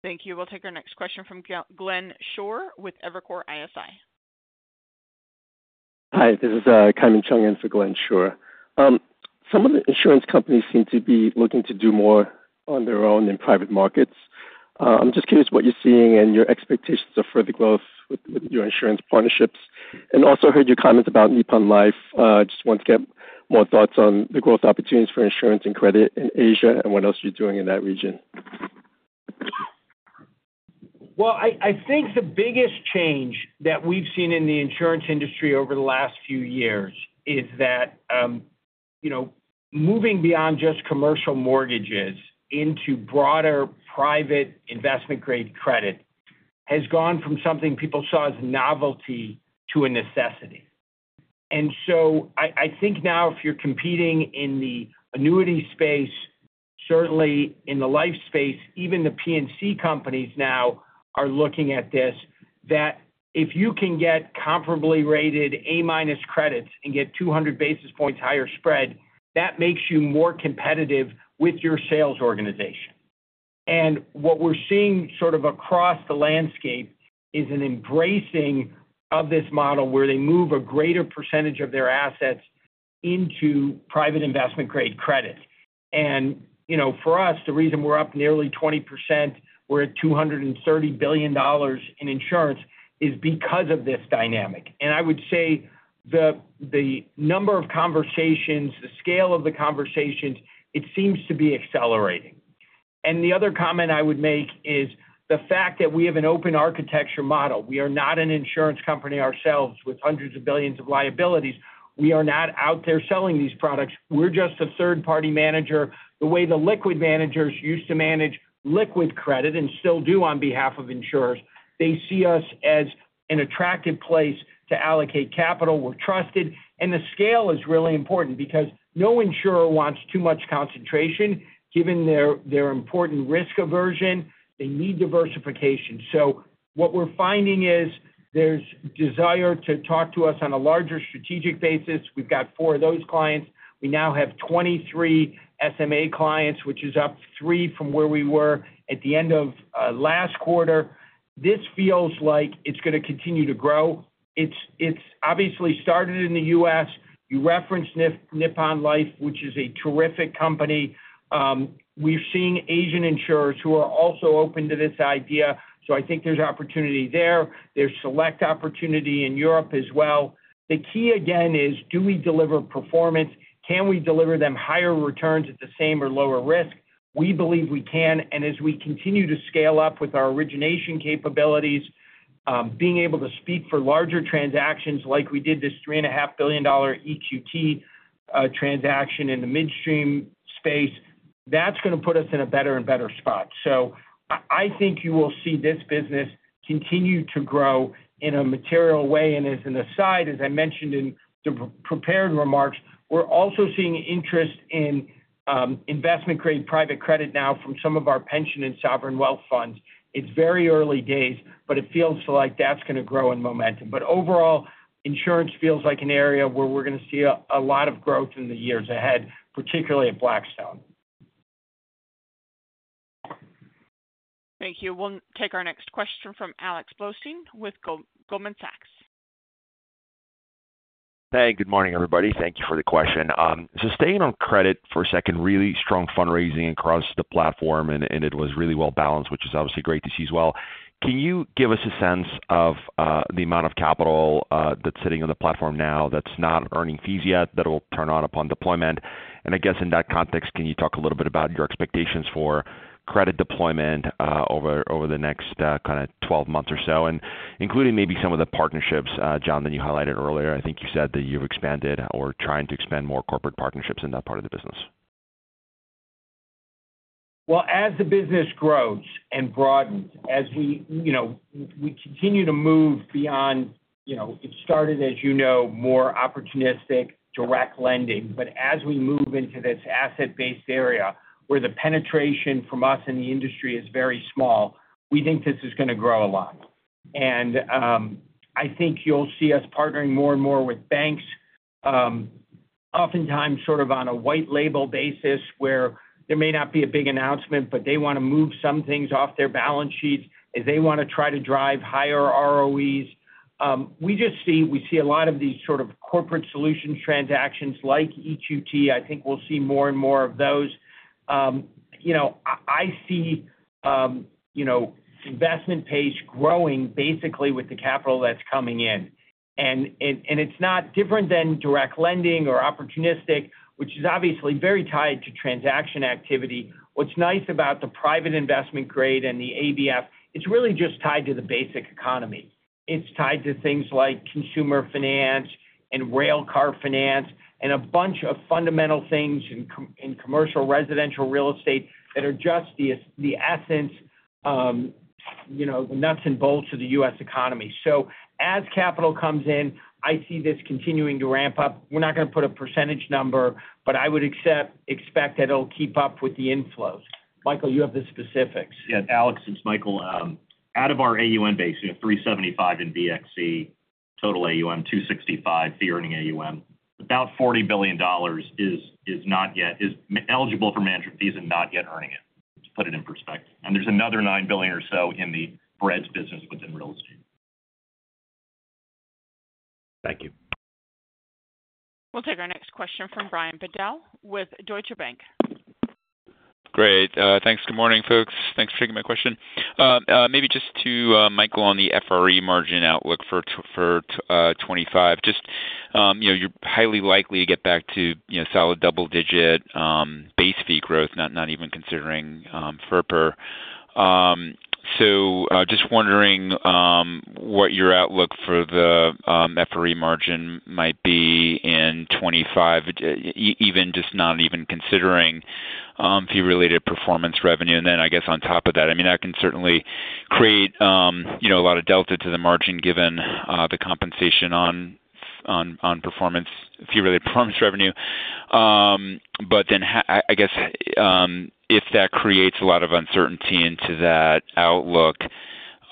Thank you. We'll take our next question from Glenn Schorr with Evercore ISI. Hi. This is Kevin Chiang for Glenn Schorr. Some of the insurance companies seem to be looking to do more on their own in private markets. I'm just curious what you're seeing and your expectations of further growth with your insurance partnerships. And also heard your comments about Nippon Life. Just want to get more thoughts on the growth opportunities for insurance and credit in Asia and what else you're doing in that region. Well, I think the biggest change that we've seen in the insurance industry over the last few years is that moving beyond just commercial mortgages into broader private investment-grade credit has gone from something people saw as a novelty to a necessity. And so I think now, if you're competing in the annuity space, certainly in the life space, even the P&C companies now are looking at this, that if you can get comparably rated A-minus credits and get 200 basis points higher spread, that makes you more competitive with your sales organization. And what we're seeing sort of across the landscape is an embracing of this model where they move a greater percentage of their assets into private investment-grade credit. And for us, the reason we're up nearly 20%, we're at $230 billion in insurance, is because of this dynamic. And I would say the number of conversations, the scale of the conversations, it seems to be accelerating. And the other comment I would make is the fact that we have an open architecture model. We are not an insurance company ourselves with hundreds of billions of liabilities. We are not out there selling these products. We're just a third-party manager. The way the liquid managers used to manage liquid credit and still do on behalf of insurers, they see us as an attractive place to allocate capital. We're trusted. And the scale is really important because no insurer wants too much concentration. Given their important risk aversion, they need diversification. So what we're finding is there's desire to talk to us on a larger strategic basis. We've got four of those clients. We now have 23 SMA clients, which is up three from where we were at the end of last quarter. This feels like it's going to continue to grow. It's obviously started in the U.S. You referenced Nippon Life, which is a terrific company. We've seen Asian insurers who are also open to this idea. So I think there's opportunity there. There's select opportunity in Europe as well. The key, again, is do we deliver performance? Can we deliver them higher returns at the same or lower risk? We believe we can. And as we continue to scale up with our origination capabilities, being able to speak for larger transactions like we did this $3.5 billion EQT transaction in the midstream space, that's going to put us in a better and better spot. So I think you will see this business continue to grow in a material way. And as an aside, as I mentioned in the prepared remarks, we're also seeing interest in investment-grade private credit now from some of our pension and sovereign wealth funds. It's very early days, but it feels like that's going to grow in momentum. But overall, insurance feels like an area where we're going to see a lot of growth in the years ahead, particularly at Blackstone. Thank you. We'll take our next question from Alex Blostein with Goldman Sachs. Hey. Good morning, everybody. Thank you for the question. So, staying on credit for a second, really strong fundraising across the platform, and it was really well balanced, which is obviously great to see as well. Can you give us a sense of the amount of capital that's sitting on the platform now that's not earning fees yet that will turn on upon deployment? And I guess in that context, can you talk a little bit about your expectations for credit deployment over the next kind of 12 months or so, and including maybe some of the partnerships, Jon, that you highlighted earlier? I think you said that you've expanded or are trying to expand more corporate partnerships in that part of the business. Well, as the business grows and broadens, as we continue to move beyond. It started, as you know, more opportunistic direct lending. But as we move into this asset-based area where the penetration from us in the industry is very small, we think this is going to grow a lot. And I think you'll see us partnering more and more with banks, oftentimes sort of on a white label basis where there may not be a big announcement, but they want to move some things off their balance sheets as they want to try to drive higher ROEs. We just see a lot of these sort of corporate solutions transactions like EQT. I think we'll see more and more of those. I see investment pace growing basically with the capital that's coming in. And it's not different than direct lending or opportunistic, which is obviously very tied to transaction activity. What's nice about the private investment grade and the ABF, it's really just tied to the basic economy. It's tied to things like consumer finance and railcar finance and a bunch of fundamental things in commercial residential real estate that are just the essence, the nuts and bolts of the U.S. economy. So as capital comes in, I see this continuing to ramp up. We're not going to put a percentage number, but I would expect that it'll keep up with the inflows. Michael, you have the specifics. Yeah. Alex, it's Michael. Out of our AUM base, we have 375 in VXC, total AUM 265, fee-earning AUM. About $40 billion is eligible for management fees and not yet earning it, to put it in perspective. And there's another $9 billion or so in the credit business within real estate. Thank you. We'll take our next question from Brian Bedell with Deutsche Bank. Great. Thanks. Good morning, folks. Thanks for taking my question. Maybe just to Michael on the FRE margin outlook for 2025. Just, you're highly likely to get back to solid double-digit base fee growth, not even considering FRPR. So just wondering what your outlook for the FRE margin might be in 2025, even not even considering fee-related performance revenue. And then I guess on top of that, I mean, that can certainly create a lot of delta to the margin given the compensation on performance, fee-related performance revenue. But then I guess if that creates a lot of uncertainty into that outlook,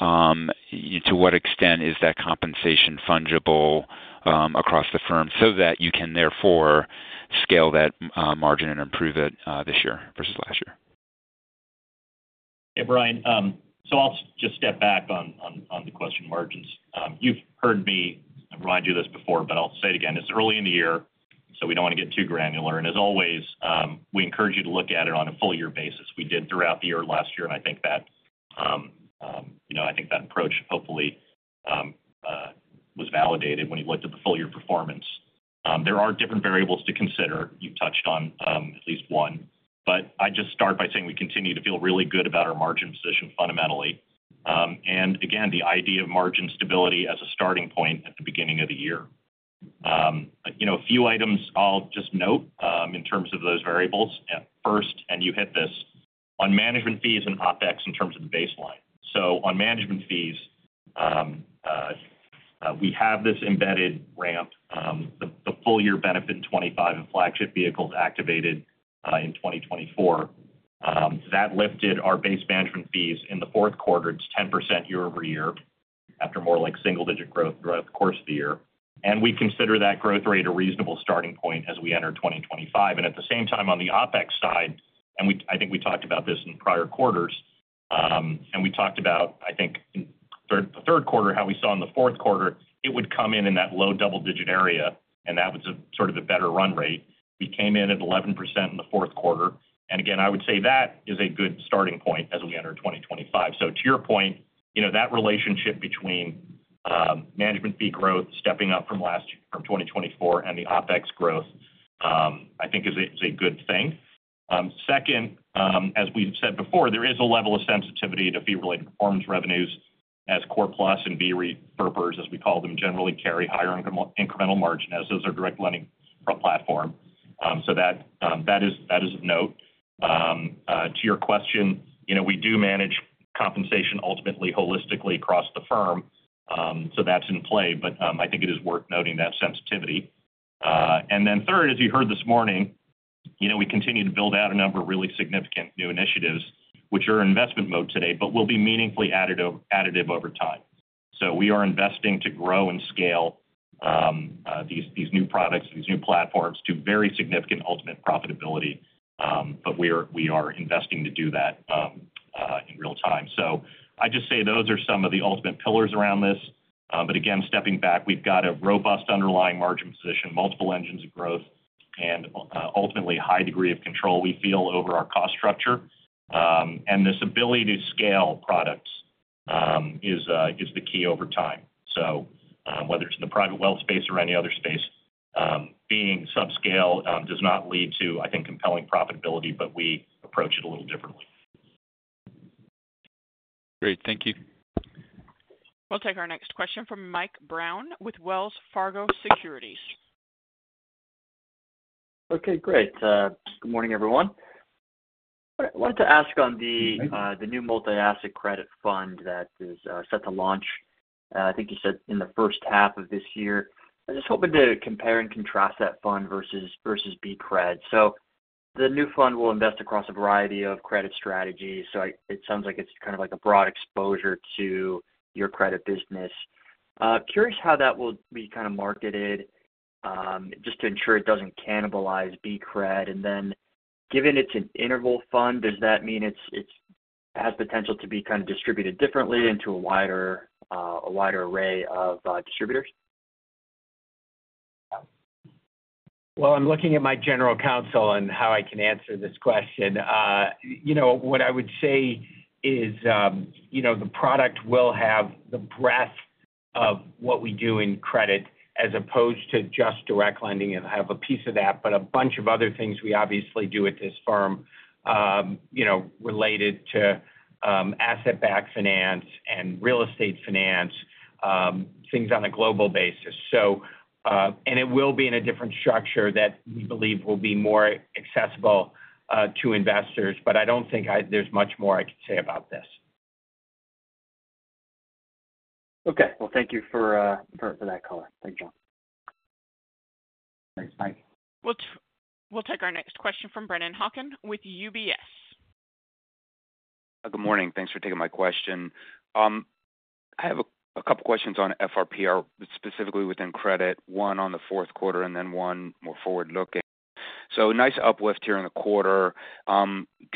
to what extent is that compensation fungible across the firm so that you can therefore scale that margin and improve it this year versus last year? Yeah. Brian, so I'll just step back on the question of margins. You've heard me remind you of this before, but I'll say it again. It's early in the year, so we don't want to get too granular, and as always, we encourage you to look at it on a full-year basis. We did throughout the year last year, and I think that approach hopefully was validated when you looked at the full-year performance. There are different variables to consider. You've touched on at least one, but I just start by saying we continue to feel really good about our margin position fundamentally, and again, the idea of margin stability as a starting point at the beginning of the year. A few items I'll just note in terms of those variables. First, and you hit this, on management fees and OpEx in terms of the baseline, so on management fees, we have this embedded ramp. The full-year benefit in 2025 and flagship vehicles activated in 2024 that lifted our base management fees in the fourth quarter. It's 10% year over year after more like single-digit growth throughout the course of the year, and we consider that growth rate a reasonable starting point as we enter 2025, and at the same time, on the OpEx side, and I think we talked about this in prior quarters, and we talked about, I think, the third quarter, how we saw in the fourth quarter, it would come in in that low double-digit area, and that was sort of the better run rate. We came in at 11% in the fourth quarter, and again, I would say that is a good starting point as we enter 2025. So to your point, that relationship between management fee growth stepping up from 2024 and the OpEx growth, I think, is a good thing. Second, as we've said before, there is a level of sensitivity to fee-related performance revenues as Core Plus and BREIT FERPers, as we call them, generally carry higher incremental margin as is our direct lending platform. So that is of note. To your question, we do manage compensation ultimately holistically across the firm, so that's in play. But I think it is worth noting that sensitivity. And then third, as you heard this morning, we continue to build out a number of really significant new initiatives, which are investment mode today, but will be meaningfully additive over time. So we are investing to grow and scale these new products, these new platforms to very significant ultimate profitability. But we are investing to do that in real time. So I just say those are some of the ultimate pillars around this. But again, stepping back, we've got a robust underlying margin position, multiple engines of growth, and ultimately a high degree of control we feel over our cost structure. And this ability to scale products is the key over time. So whether it's in the private wealth space or any other space, being subscale does not lead to, I think, compelling profitability, but we approach it a little differently. Great. Thank you. We'll take our next question from Mike Brown with Wells Fargo Securities. Okay. Great. Good morning, everyone. I wanted to ask on the new multi-asset credit fund that is set to launch, I think you said in the first half of this year. I'm just hoping to compare and contrast that fund versus BCRED. So the new fund will invest across a variety of credit strategies. So it sounds like it's kind of like a broad exposure to your credit business. Curious how that will be kind of marketed just to ensure it doesn't cannibalize BCRED. And then given it's an interval fund, does that mean it has potential to be kind of distributed differently into a wider array of distributors? Well, I'm looking at my general counsel on how I can answer this question. What I would say is the product will have the breadth of what we do in credit as opposed to just direct lending and have a piece of that, but a bunch of other things we obviously do at this firm related to asset-backed finance and real estate finance, things on a global basis. And it will be in a different structure that we believe will be more accessible to investors. But I don't think there's much more I could say about this. Okay. Well, thank you for that, Color. Thanks, Jon. Thanks. Bye. We'll take our next question from Brennan Hawken with UBS. Good morning. Thanks for taking my question. I have a couple of questions on FRPR, specifically within credit, one on the fourth quarter and then one more forward-looking. So nice uplift here in the quarter.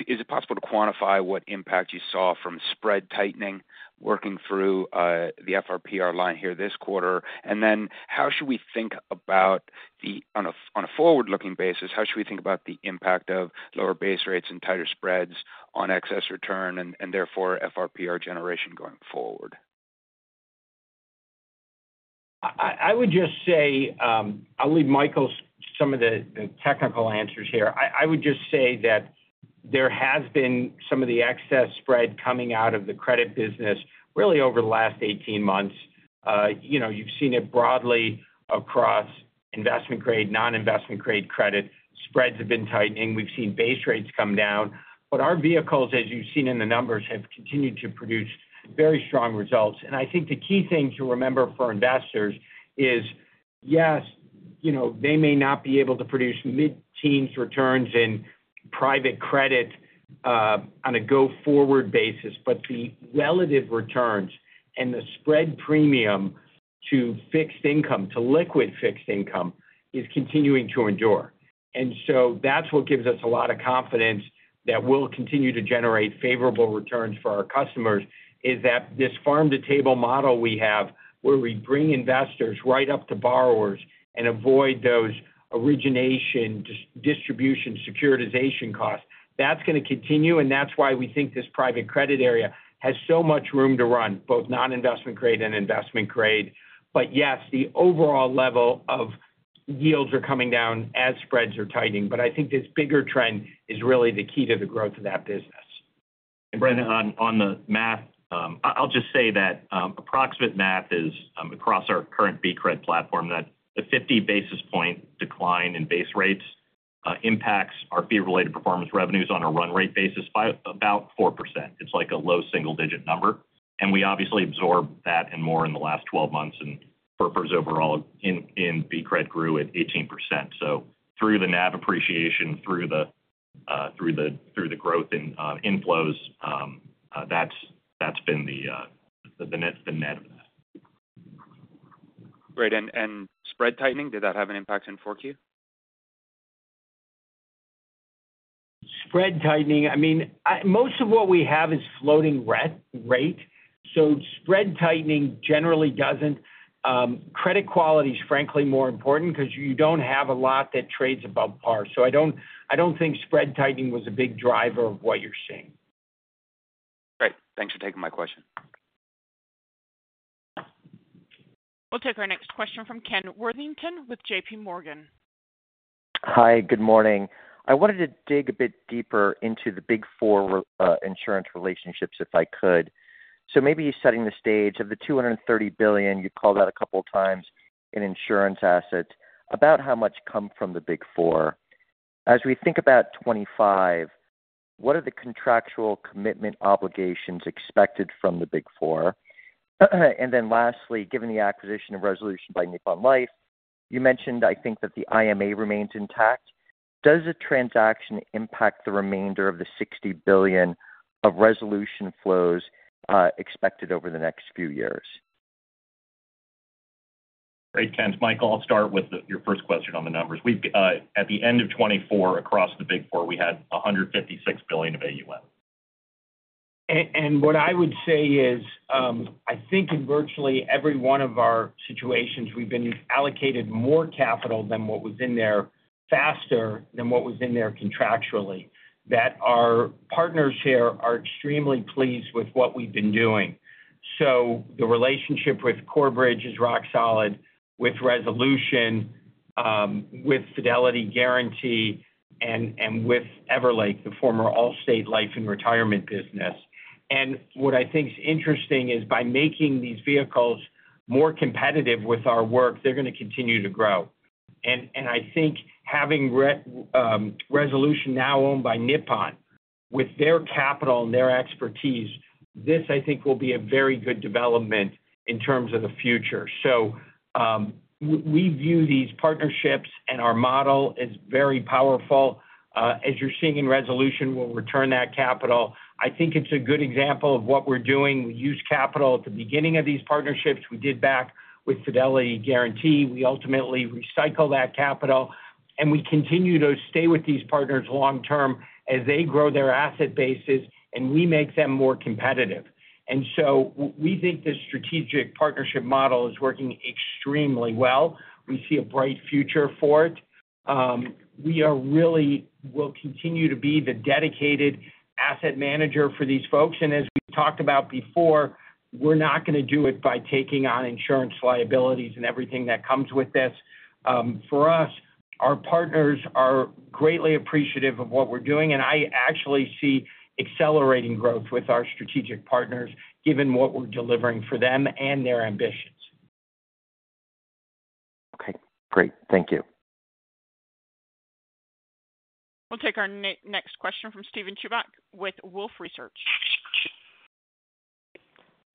Is it possible to quantify what impact you saw from spread tightening working through the FRPR line here this quarter? And then how should we think about the on a forward-looking basis, how should we think about the impact of lower base rates and tighter spreads on excess return and therefore FRPR generation going forward? I would just say I'll leave Michael some of the technical answers here. I would just say that there has been some of the excess spread coming out of the credit business really over the last 18 months. You've seen it broadly across investment-grade, non-investment-grade credit. Spreads have been tightening. We've seen base rates come down. But our vehicles, as you've seen in the numbers, have continued to produce very strong results. And I think the key thing to remember for investors is, yes, they may not be able to produce mid-teens returns in private credit on a go-forward basis, but the relative returns and the spread premium to fixed income, to liquid fixed income, is continuing to endure. And so that's what gives us a lot of confidence that we'll continue to generate favorable returns for our customers is that this farm-to-table model we have where we bring investors right up to borrowers and avoid those origination, distribution, securitization costs. That's going to continue. And that's why we think this private credit area has so much room to run, both non-investment-grade and investment-grade. But yes, the overall level of yields are coming down as spreads are tightening. But I think this bigger trend is really the key to the growth of that business. And Brennan, on the math, I'll just say that approximate math is across our current BCRED platform that a 50 basis points decline in base rates impacts our fee-related performance revenues on a run rate basis by about 4%. It's like a low single-digit number. And we obviously absorbed that and more in the last 12 months. And FERPers overall in BCRED grew at 18%. So through the NAV appreciation, through the growth in inflows, that's been the net of that. Great. And spread tightening, did that have an impact in 4Q? Spread tightening, I mean, most of what we have is floating rate. So spread tightening generally doesn't. Credit quality is frankly more important because you don't have a lot that trades above par. So I don't think spread tightening was a big driver of what you're seeing. Great. Thanks for taking my question. We'll take our next question from Ken Worthington with JPMorgan. Hi. Good morning. I wanted to dig a bit deeper into the Big Four insurance relationships if I could. So maybe setting the stage of the $230 billion, you called out a couple of times in insurance assets, about how much come from the Big Four? As we think about 2025, what are the contractual commitment obligations expected from the Big Four? And then lastly, given the acquisition of Resolution by Nippon Life, you mentioned, I think, that the IMA remains intact. Does the transaction impact the remainder of the $60 billion of Resolution flows expected over the next few years? Great. Thanks, Michael. I'll start with your first question on the numbers. At the end of 2024, across the Big Four, we had $156 billion of AUM. And what I would say is I think in virtually every one of our situations, we've been allocated more capital than what was in there faster than what was in there contractually. That our partners here are extremely pleased with what we've been doing. So the relationship with Corebridge is rock solid with Resolution, with Fidelity & Guaranty, and with Everlake, the former Allstate life and retirement business. And what I think is interesting is by making these vehicles more competitive with our work, they're going to continue to grow. And I think having Resolution now owned by Nippon with their capital and their expertise, this I think will be a very good development in terms of the future. So we view these partnerships and our model is very powerful. As you're seeing in Resolution, we'll return that capital. I think it's a good example of what we're doing. We use capital at the beginning of these partnerships. We did back with Fidelity & Guaranty. We ultimately recycled that capital. We continue to stay with these partners long term as they grow their asset bases and we make them more competitive. And so we think the strategic partnership model is working extremely well. We see a bright future for it. We really will continue to be the dedicated asset manager for these folks. And as we've talked about before, we're not going to do it by taking on insurance liabilities and everything that comes with this. For us, our partners are greatly appreciative of what we're doing. And I actually see accelerating growth with our strategic partners given what we're delivering for them and their ambitions. Okay. Great. Thank you. We'll take our next question from Steven Chubak with Wolfe Research.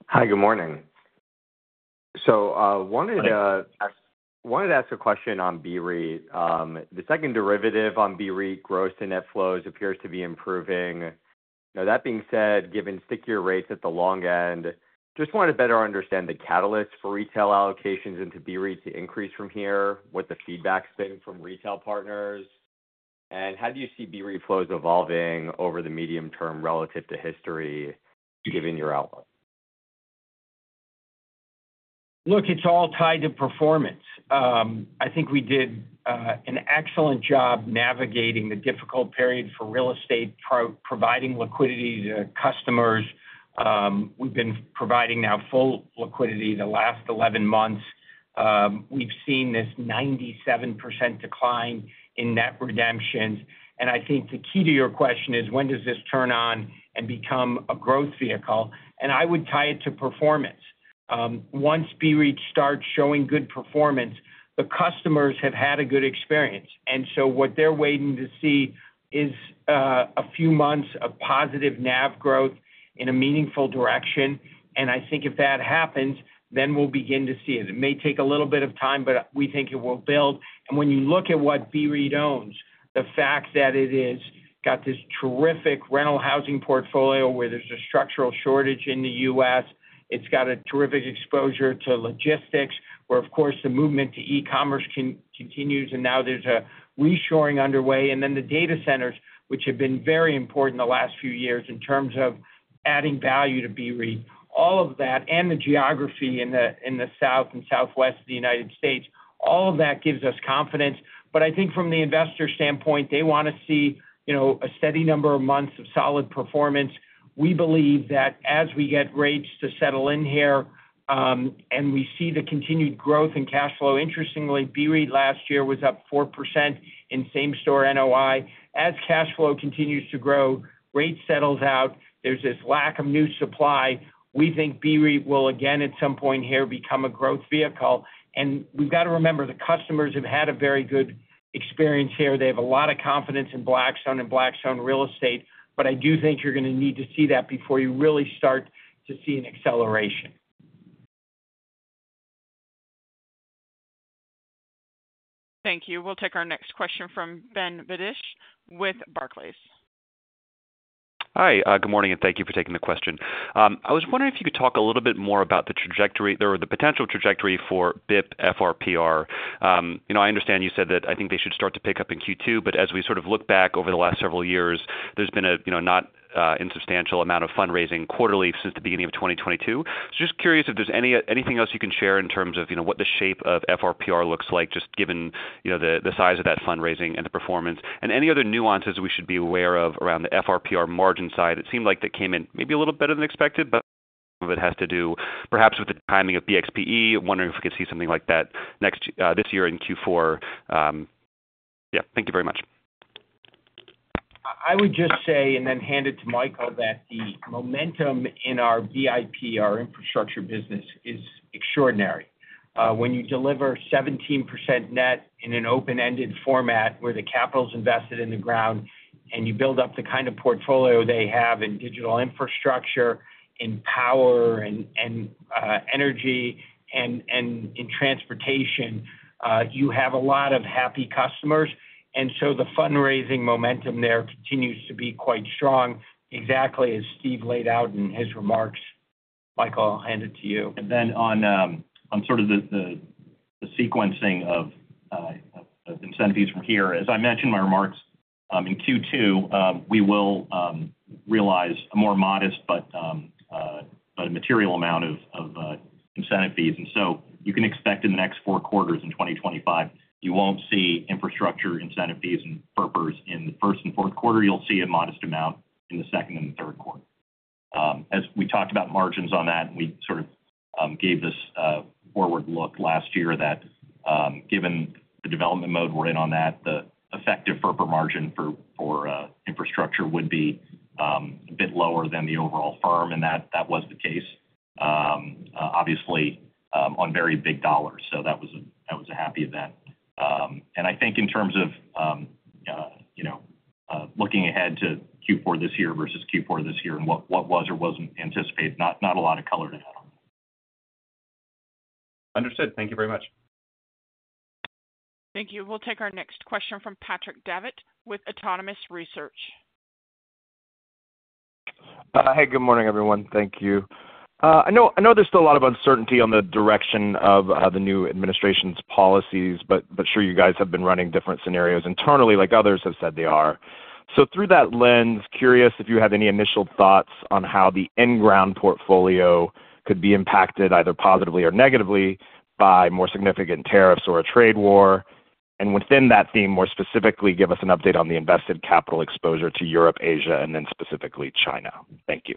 Hi. Good morning. So I wanted to ask a question on BRE. The second derivative on BRE growth and net flows appears to be improving. That being said, given stickier rates at the long end, just wanted to better understand the catalysts for retail allocations into BRE to increase from here, what the feedback's been from retail partners? And how do you see BRE flows evolving over the medium term relative to history given your outlook? Look, it's all tied to performance. I think we did an excellent job navigating the difficult period for real estate, providing liquidity to customers. We've been providing now full liquidity the last 11 months. We've seen this 97% decline in net redemptions. And I think the key to your question is when does this turn on and become a growth vehicle? And I would tie it to performance. Once BRE starts showing good performance, the customers have had a good experience. And so what they're waiting to see is a few months of positive NAV growth in a meaningful direction. And I think if that happens, then we'll begin to see it. It may take a little bit of time, but we think it will build. And when you look at what BRE owns, the fact that it has got this terrific rental housing portfolio where there's a structural shortage in the U.S., it's got a terrific exposure to logistics where, of course, the movement to e-commerce continues. And now there's a reshoring underway. And then the data centers, which have been very important the last few years in terms of adding value to BRE, all of that, and the geography in the South and Southwest of the United States, all of that gives us confidence. But I think from the investor standpoint, they want to see a steady number of months of solid performance. We believe that as we get rates to settle in here and we see the continued growth in cash flow, interestingly, BRE last year was up 4% in same-store NOI. As cash flow continues to grow, rate settles out, there's this lack of new supply. We think BRE will again at some point here become a growth vehicle. And we've got to remember the customers have had a very good experience here. They have a lot of confidence in Blackstone and Blackstone real estate. But I do think you're going to need to see that before you really start to see an acceleration. Thank you. We'll take our next question from Ben Budish with Barclays. Hi. Good morning and thank you for taking the question. I was wondering if you could talk a little bit more about the trajectory or the potential trajectory for BIP FRPR. I understand you said that I think they should start to pick up in Q2, but as we sort of look back over the last several years, there's been a not insubstantial amount of fundraising quarterly since the beginning of 2022. So just curious if there's anything else you can share in terms of what the shape of FRPR looks like, just given the size of that fundraising and the performance, and any other nuances we should be aware of around the FRPR margin side that seemed like that came in maybe a little better than expected, but some of it has to do perhaps with the timing of BXPE, wondering if we could see something like that this year in Q4. Yeah. Thank you very much. I would just say, and then hand it to Michael, that the momentum in our BIP, our infrastructure business, is extraordinary. When you deliver 17% net in an open-ended format where the capital's invested in the ground and you build up the kind of portfolio they have in digital infrastructure, in power and energy, and in transportation, you have a lot of happy customers, and so the fundraising momentum there continues to be quite strong, exactly as Steve laid out in his remarks. Michael, I'll hand it to you, and then on sort of the sequencing of incentives from here, as I mentioned in my remarks in Q2, we will realize a more modest but material amount of incentive fees, and so you can expect in the next four quarters in 2025, you won't see infrastructure incentive fees and FERPers in the first and fourth quarter. You'll see a modest amount in the second and the third quarter. As we talked about margins on that, we sort of gave this forward look last year that given the development mode we're in on that, the effective FERP margin for infrastructure would be a bit lower than the overall firm, and that was the case, obviously, on very big dollars. So that was a happy event, and I think in terms of looking ahead to Q4 this year versus Q4 this year and what was or wasn't anticipated, not a lot of color to add on. Understood. Thank you very much. Thank you. We'll take our next question from Patrick Davitt with Autonomous Research. Hi. Good morning, everyone. Thank you. I know there's still a lot of uncertainty on the direction of the new administration's policies, but I'm sure you guys have been running different scenarios internally like others have said they are. So through that lens, curious if you have any initial thoughts on how the on-the-ground portfolio could be impacted either positively or negatively by more significant tariffs or a trade war. And within that theme, more specifically, give us an update on the invested capital exposure to Europe, Asia, and then specifically China. Thank you.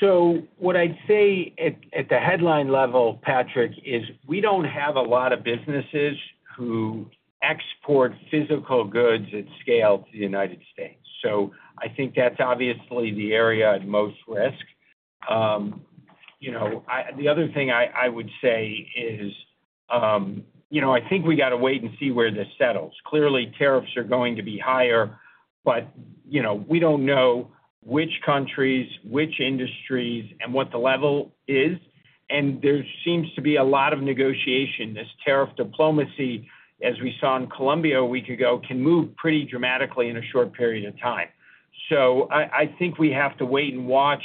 So what I'd say at the headline level, Patrick, is we don't have a lot of businesses who export physical goods at scale to the United States. So I think that's obviously the area of most risk. The other thing I would say is I think we got to wait and see where this settles. Clearly, tariffs are going to be higher, but we don't know which countries, which industries, and what the level is. And there seems to be a lot of negotiation. This tariff diplomacy, as we saw in Colombia a week ago, can move pretty dramatically in a short period of time. So I think we have to wait and watch.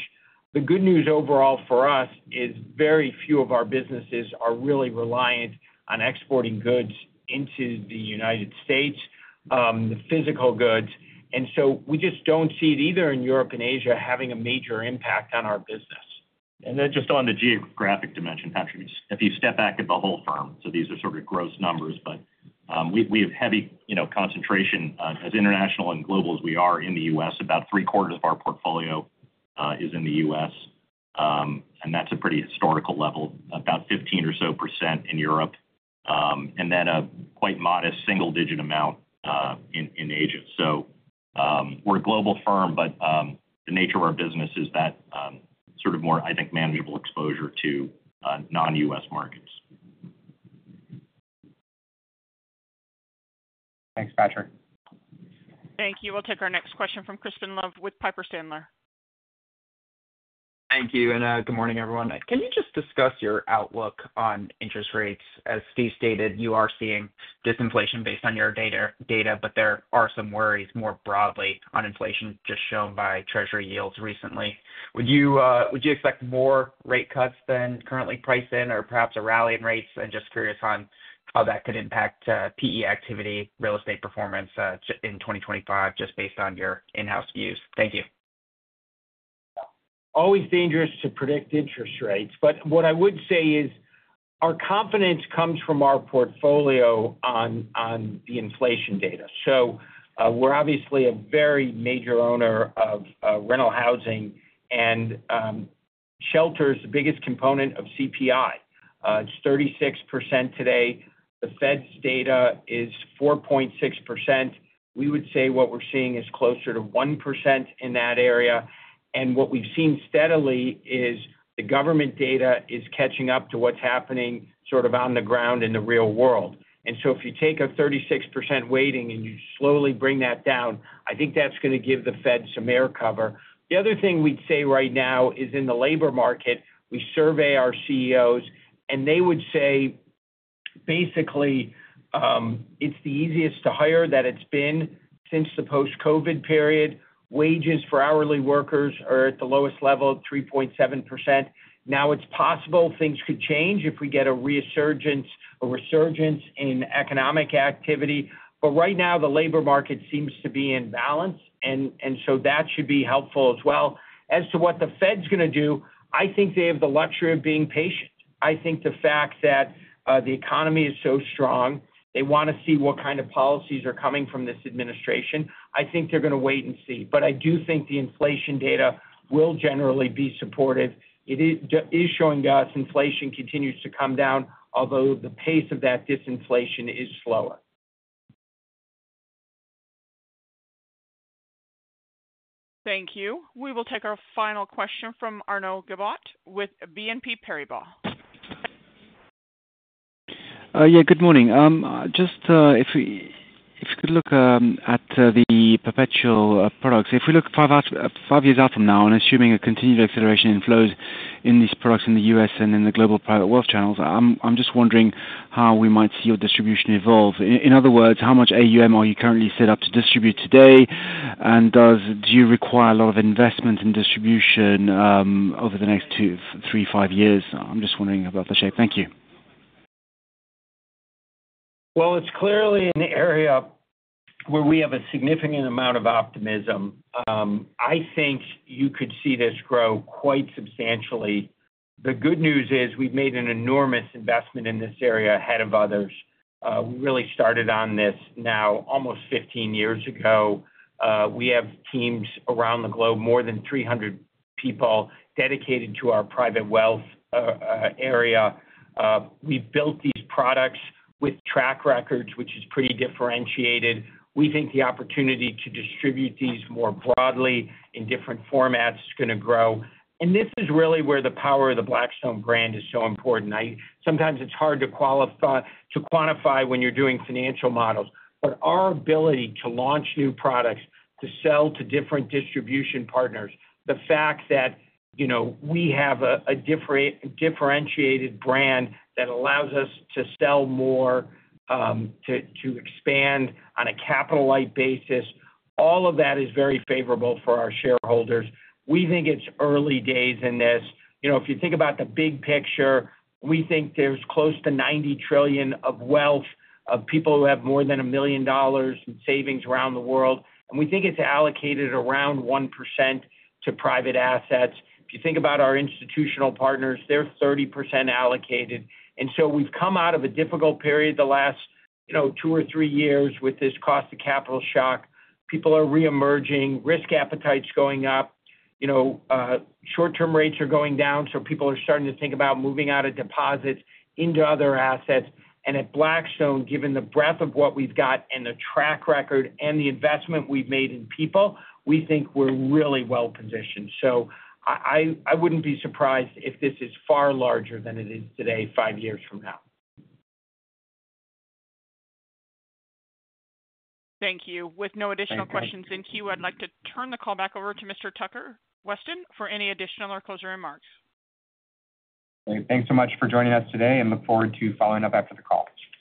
The good news overall for us is very few of our businesses are really reliant on exporting goods into the United States, the physical goods. And so we just don't see it either in Europe and Asia having a major impact on our business. And then just on the geographic dimension, Patrick, if you step back at the whole firm, so these are sort of gross numbers, but we have heavy concentration, as international and global as we are, in the U.S. About three-quarters of our portfolio is in the U.S. And that's a pretty historical level, about 15% or so in Europe, and then a quite modest single-digit amount in Asia. So we're a global firm, but the nature of our business is that sort of more, I think, manageable exposure to non-U.S. markets. Thanks, Patrick. Thank you. We'll take our next question from Crispin Love with Piper Sandler. Thank you. And good morning, everyone. Can you just discuss your outlook on interest rates? As Steve stated, you are seeing disinflation based on your data, but there are some worries more broadly on inflation just shown by Treasury yields recently. Would you expect more rate cuts than currently priced in or perhaps a rally in rates? And just curious on how that could impact PE activity, real estate performance in 2025, just based on your in-house views. Thank you. Always dangerous to predict interest rates. But what I would say is our confidence comes from our portfolio on the inflation data. So we're obviously a very major owner of rental housing. And shelter is the biggest component of CPI. It's 36% today. The Fed's data is 4.6%. We would say what we're seeing is closer to 1% in that area. And what we've seen steadily is the government data is catching up to what's happening sort of on the ground in the real world. And so if you take a 36% weighting and you slowly bring that down, I think that's going to give the Fed some air cover. The other thing we'd say right now is in the labor market, we survey our CEOs, and they would say basically it's the easiest to hire that it's been since the post-COVID period. Wages for hourly workers are at the lowest level, 3.7%. Now it's possible things could change if we get a resurgence in economic activity, but right now, the labor market seems to be in balance, and so that should be helpful as well. As to what the Fed's going to do, I think they have the luxury of being patient. I think the fact that the economy is so strong, they want to see what kind of policies are coming from this administration. I think they're going to wait and see, but I do think the inflation data will generally be supportive. It is showing us inflation continues to come down, although the pace of that disinflation is slower. Thank you. We will take our final question from Arnaud Giblat with BNP Paribas. Yeah. Good morning. Just if we could look at the perpetual products. If we look five years out from now, I'm assuming a continued acceleration in flows in these products in the U.S. and in the global private wealth channels. I'm just wondering how we might see your distribution evolve. In other words, how much AUM are you currently set up to distribute today? And do you require a lot of investment in distribution over the next three, five years? I'm just wondering about the shape. Thank you. Well, it's clearly an area where we have a significant amount of optimism. I think you could see this grow quite substantially. The good news is we've made an enormous investment in this area ahead of others. We really started on this now almost 15 years ago. We have teams around the globe, more than 300 people dedicated to our private wealth area. We've built these products with track records, which is pretty differentiated. We think the opportunity to distribute these more broadly in different formats is going to grow. And this is really where the power of the Blackstone brand is so important. Sometimes it's hard to quantify when you're doing financial models. But our ability to launch new products to sell to different distribution partners, the fact that we have a differentiated brand that allows us to sell more, to expand on a capital-like basis, all of that is very favorable for our shareholders. We think it's early days in this. If you think about the big picture, we think there's close to $90 trillion of wealth of people who have more than a million dollars in savings around the world. And we think it's allocated around 1% to private assets. If you think about our institutional partners, they're 30% allocated. And so we've come out of a difficult period the last two or three years with this cost of capital shock. People are reemerging. Risk appetite's going up. Short-term rates are going down, so people are starting to think about moving out of deposits into other assets. And at Blackstone, given the breadth of what we've got and the track record and the investment we've made in people, we think we're really well positioned. So I wouldn't be surprised if this is far larger than it is today five years from now. Thank you. With no additional questions in queue, I'd like to turn the call back over to Mr. Weston Tucker for any additional or closing remarks. Thanks so much for joining us today. And look forward to following up after the call.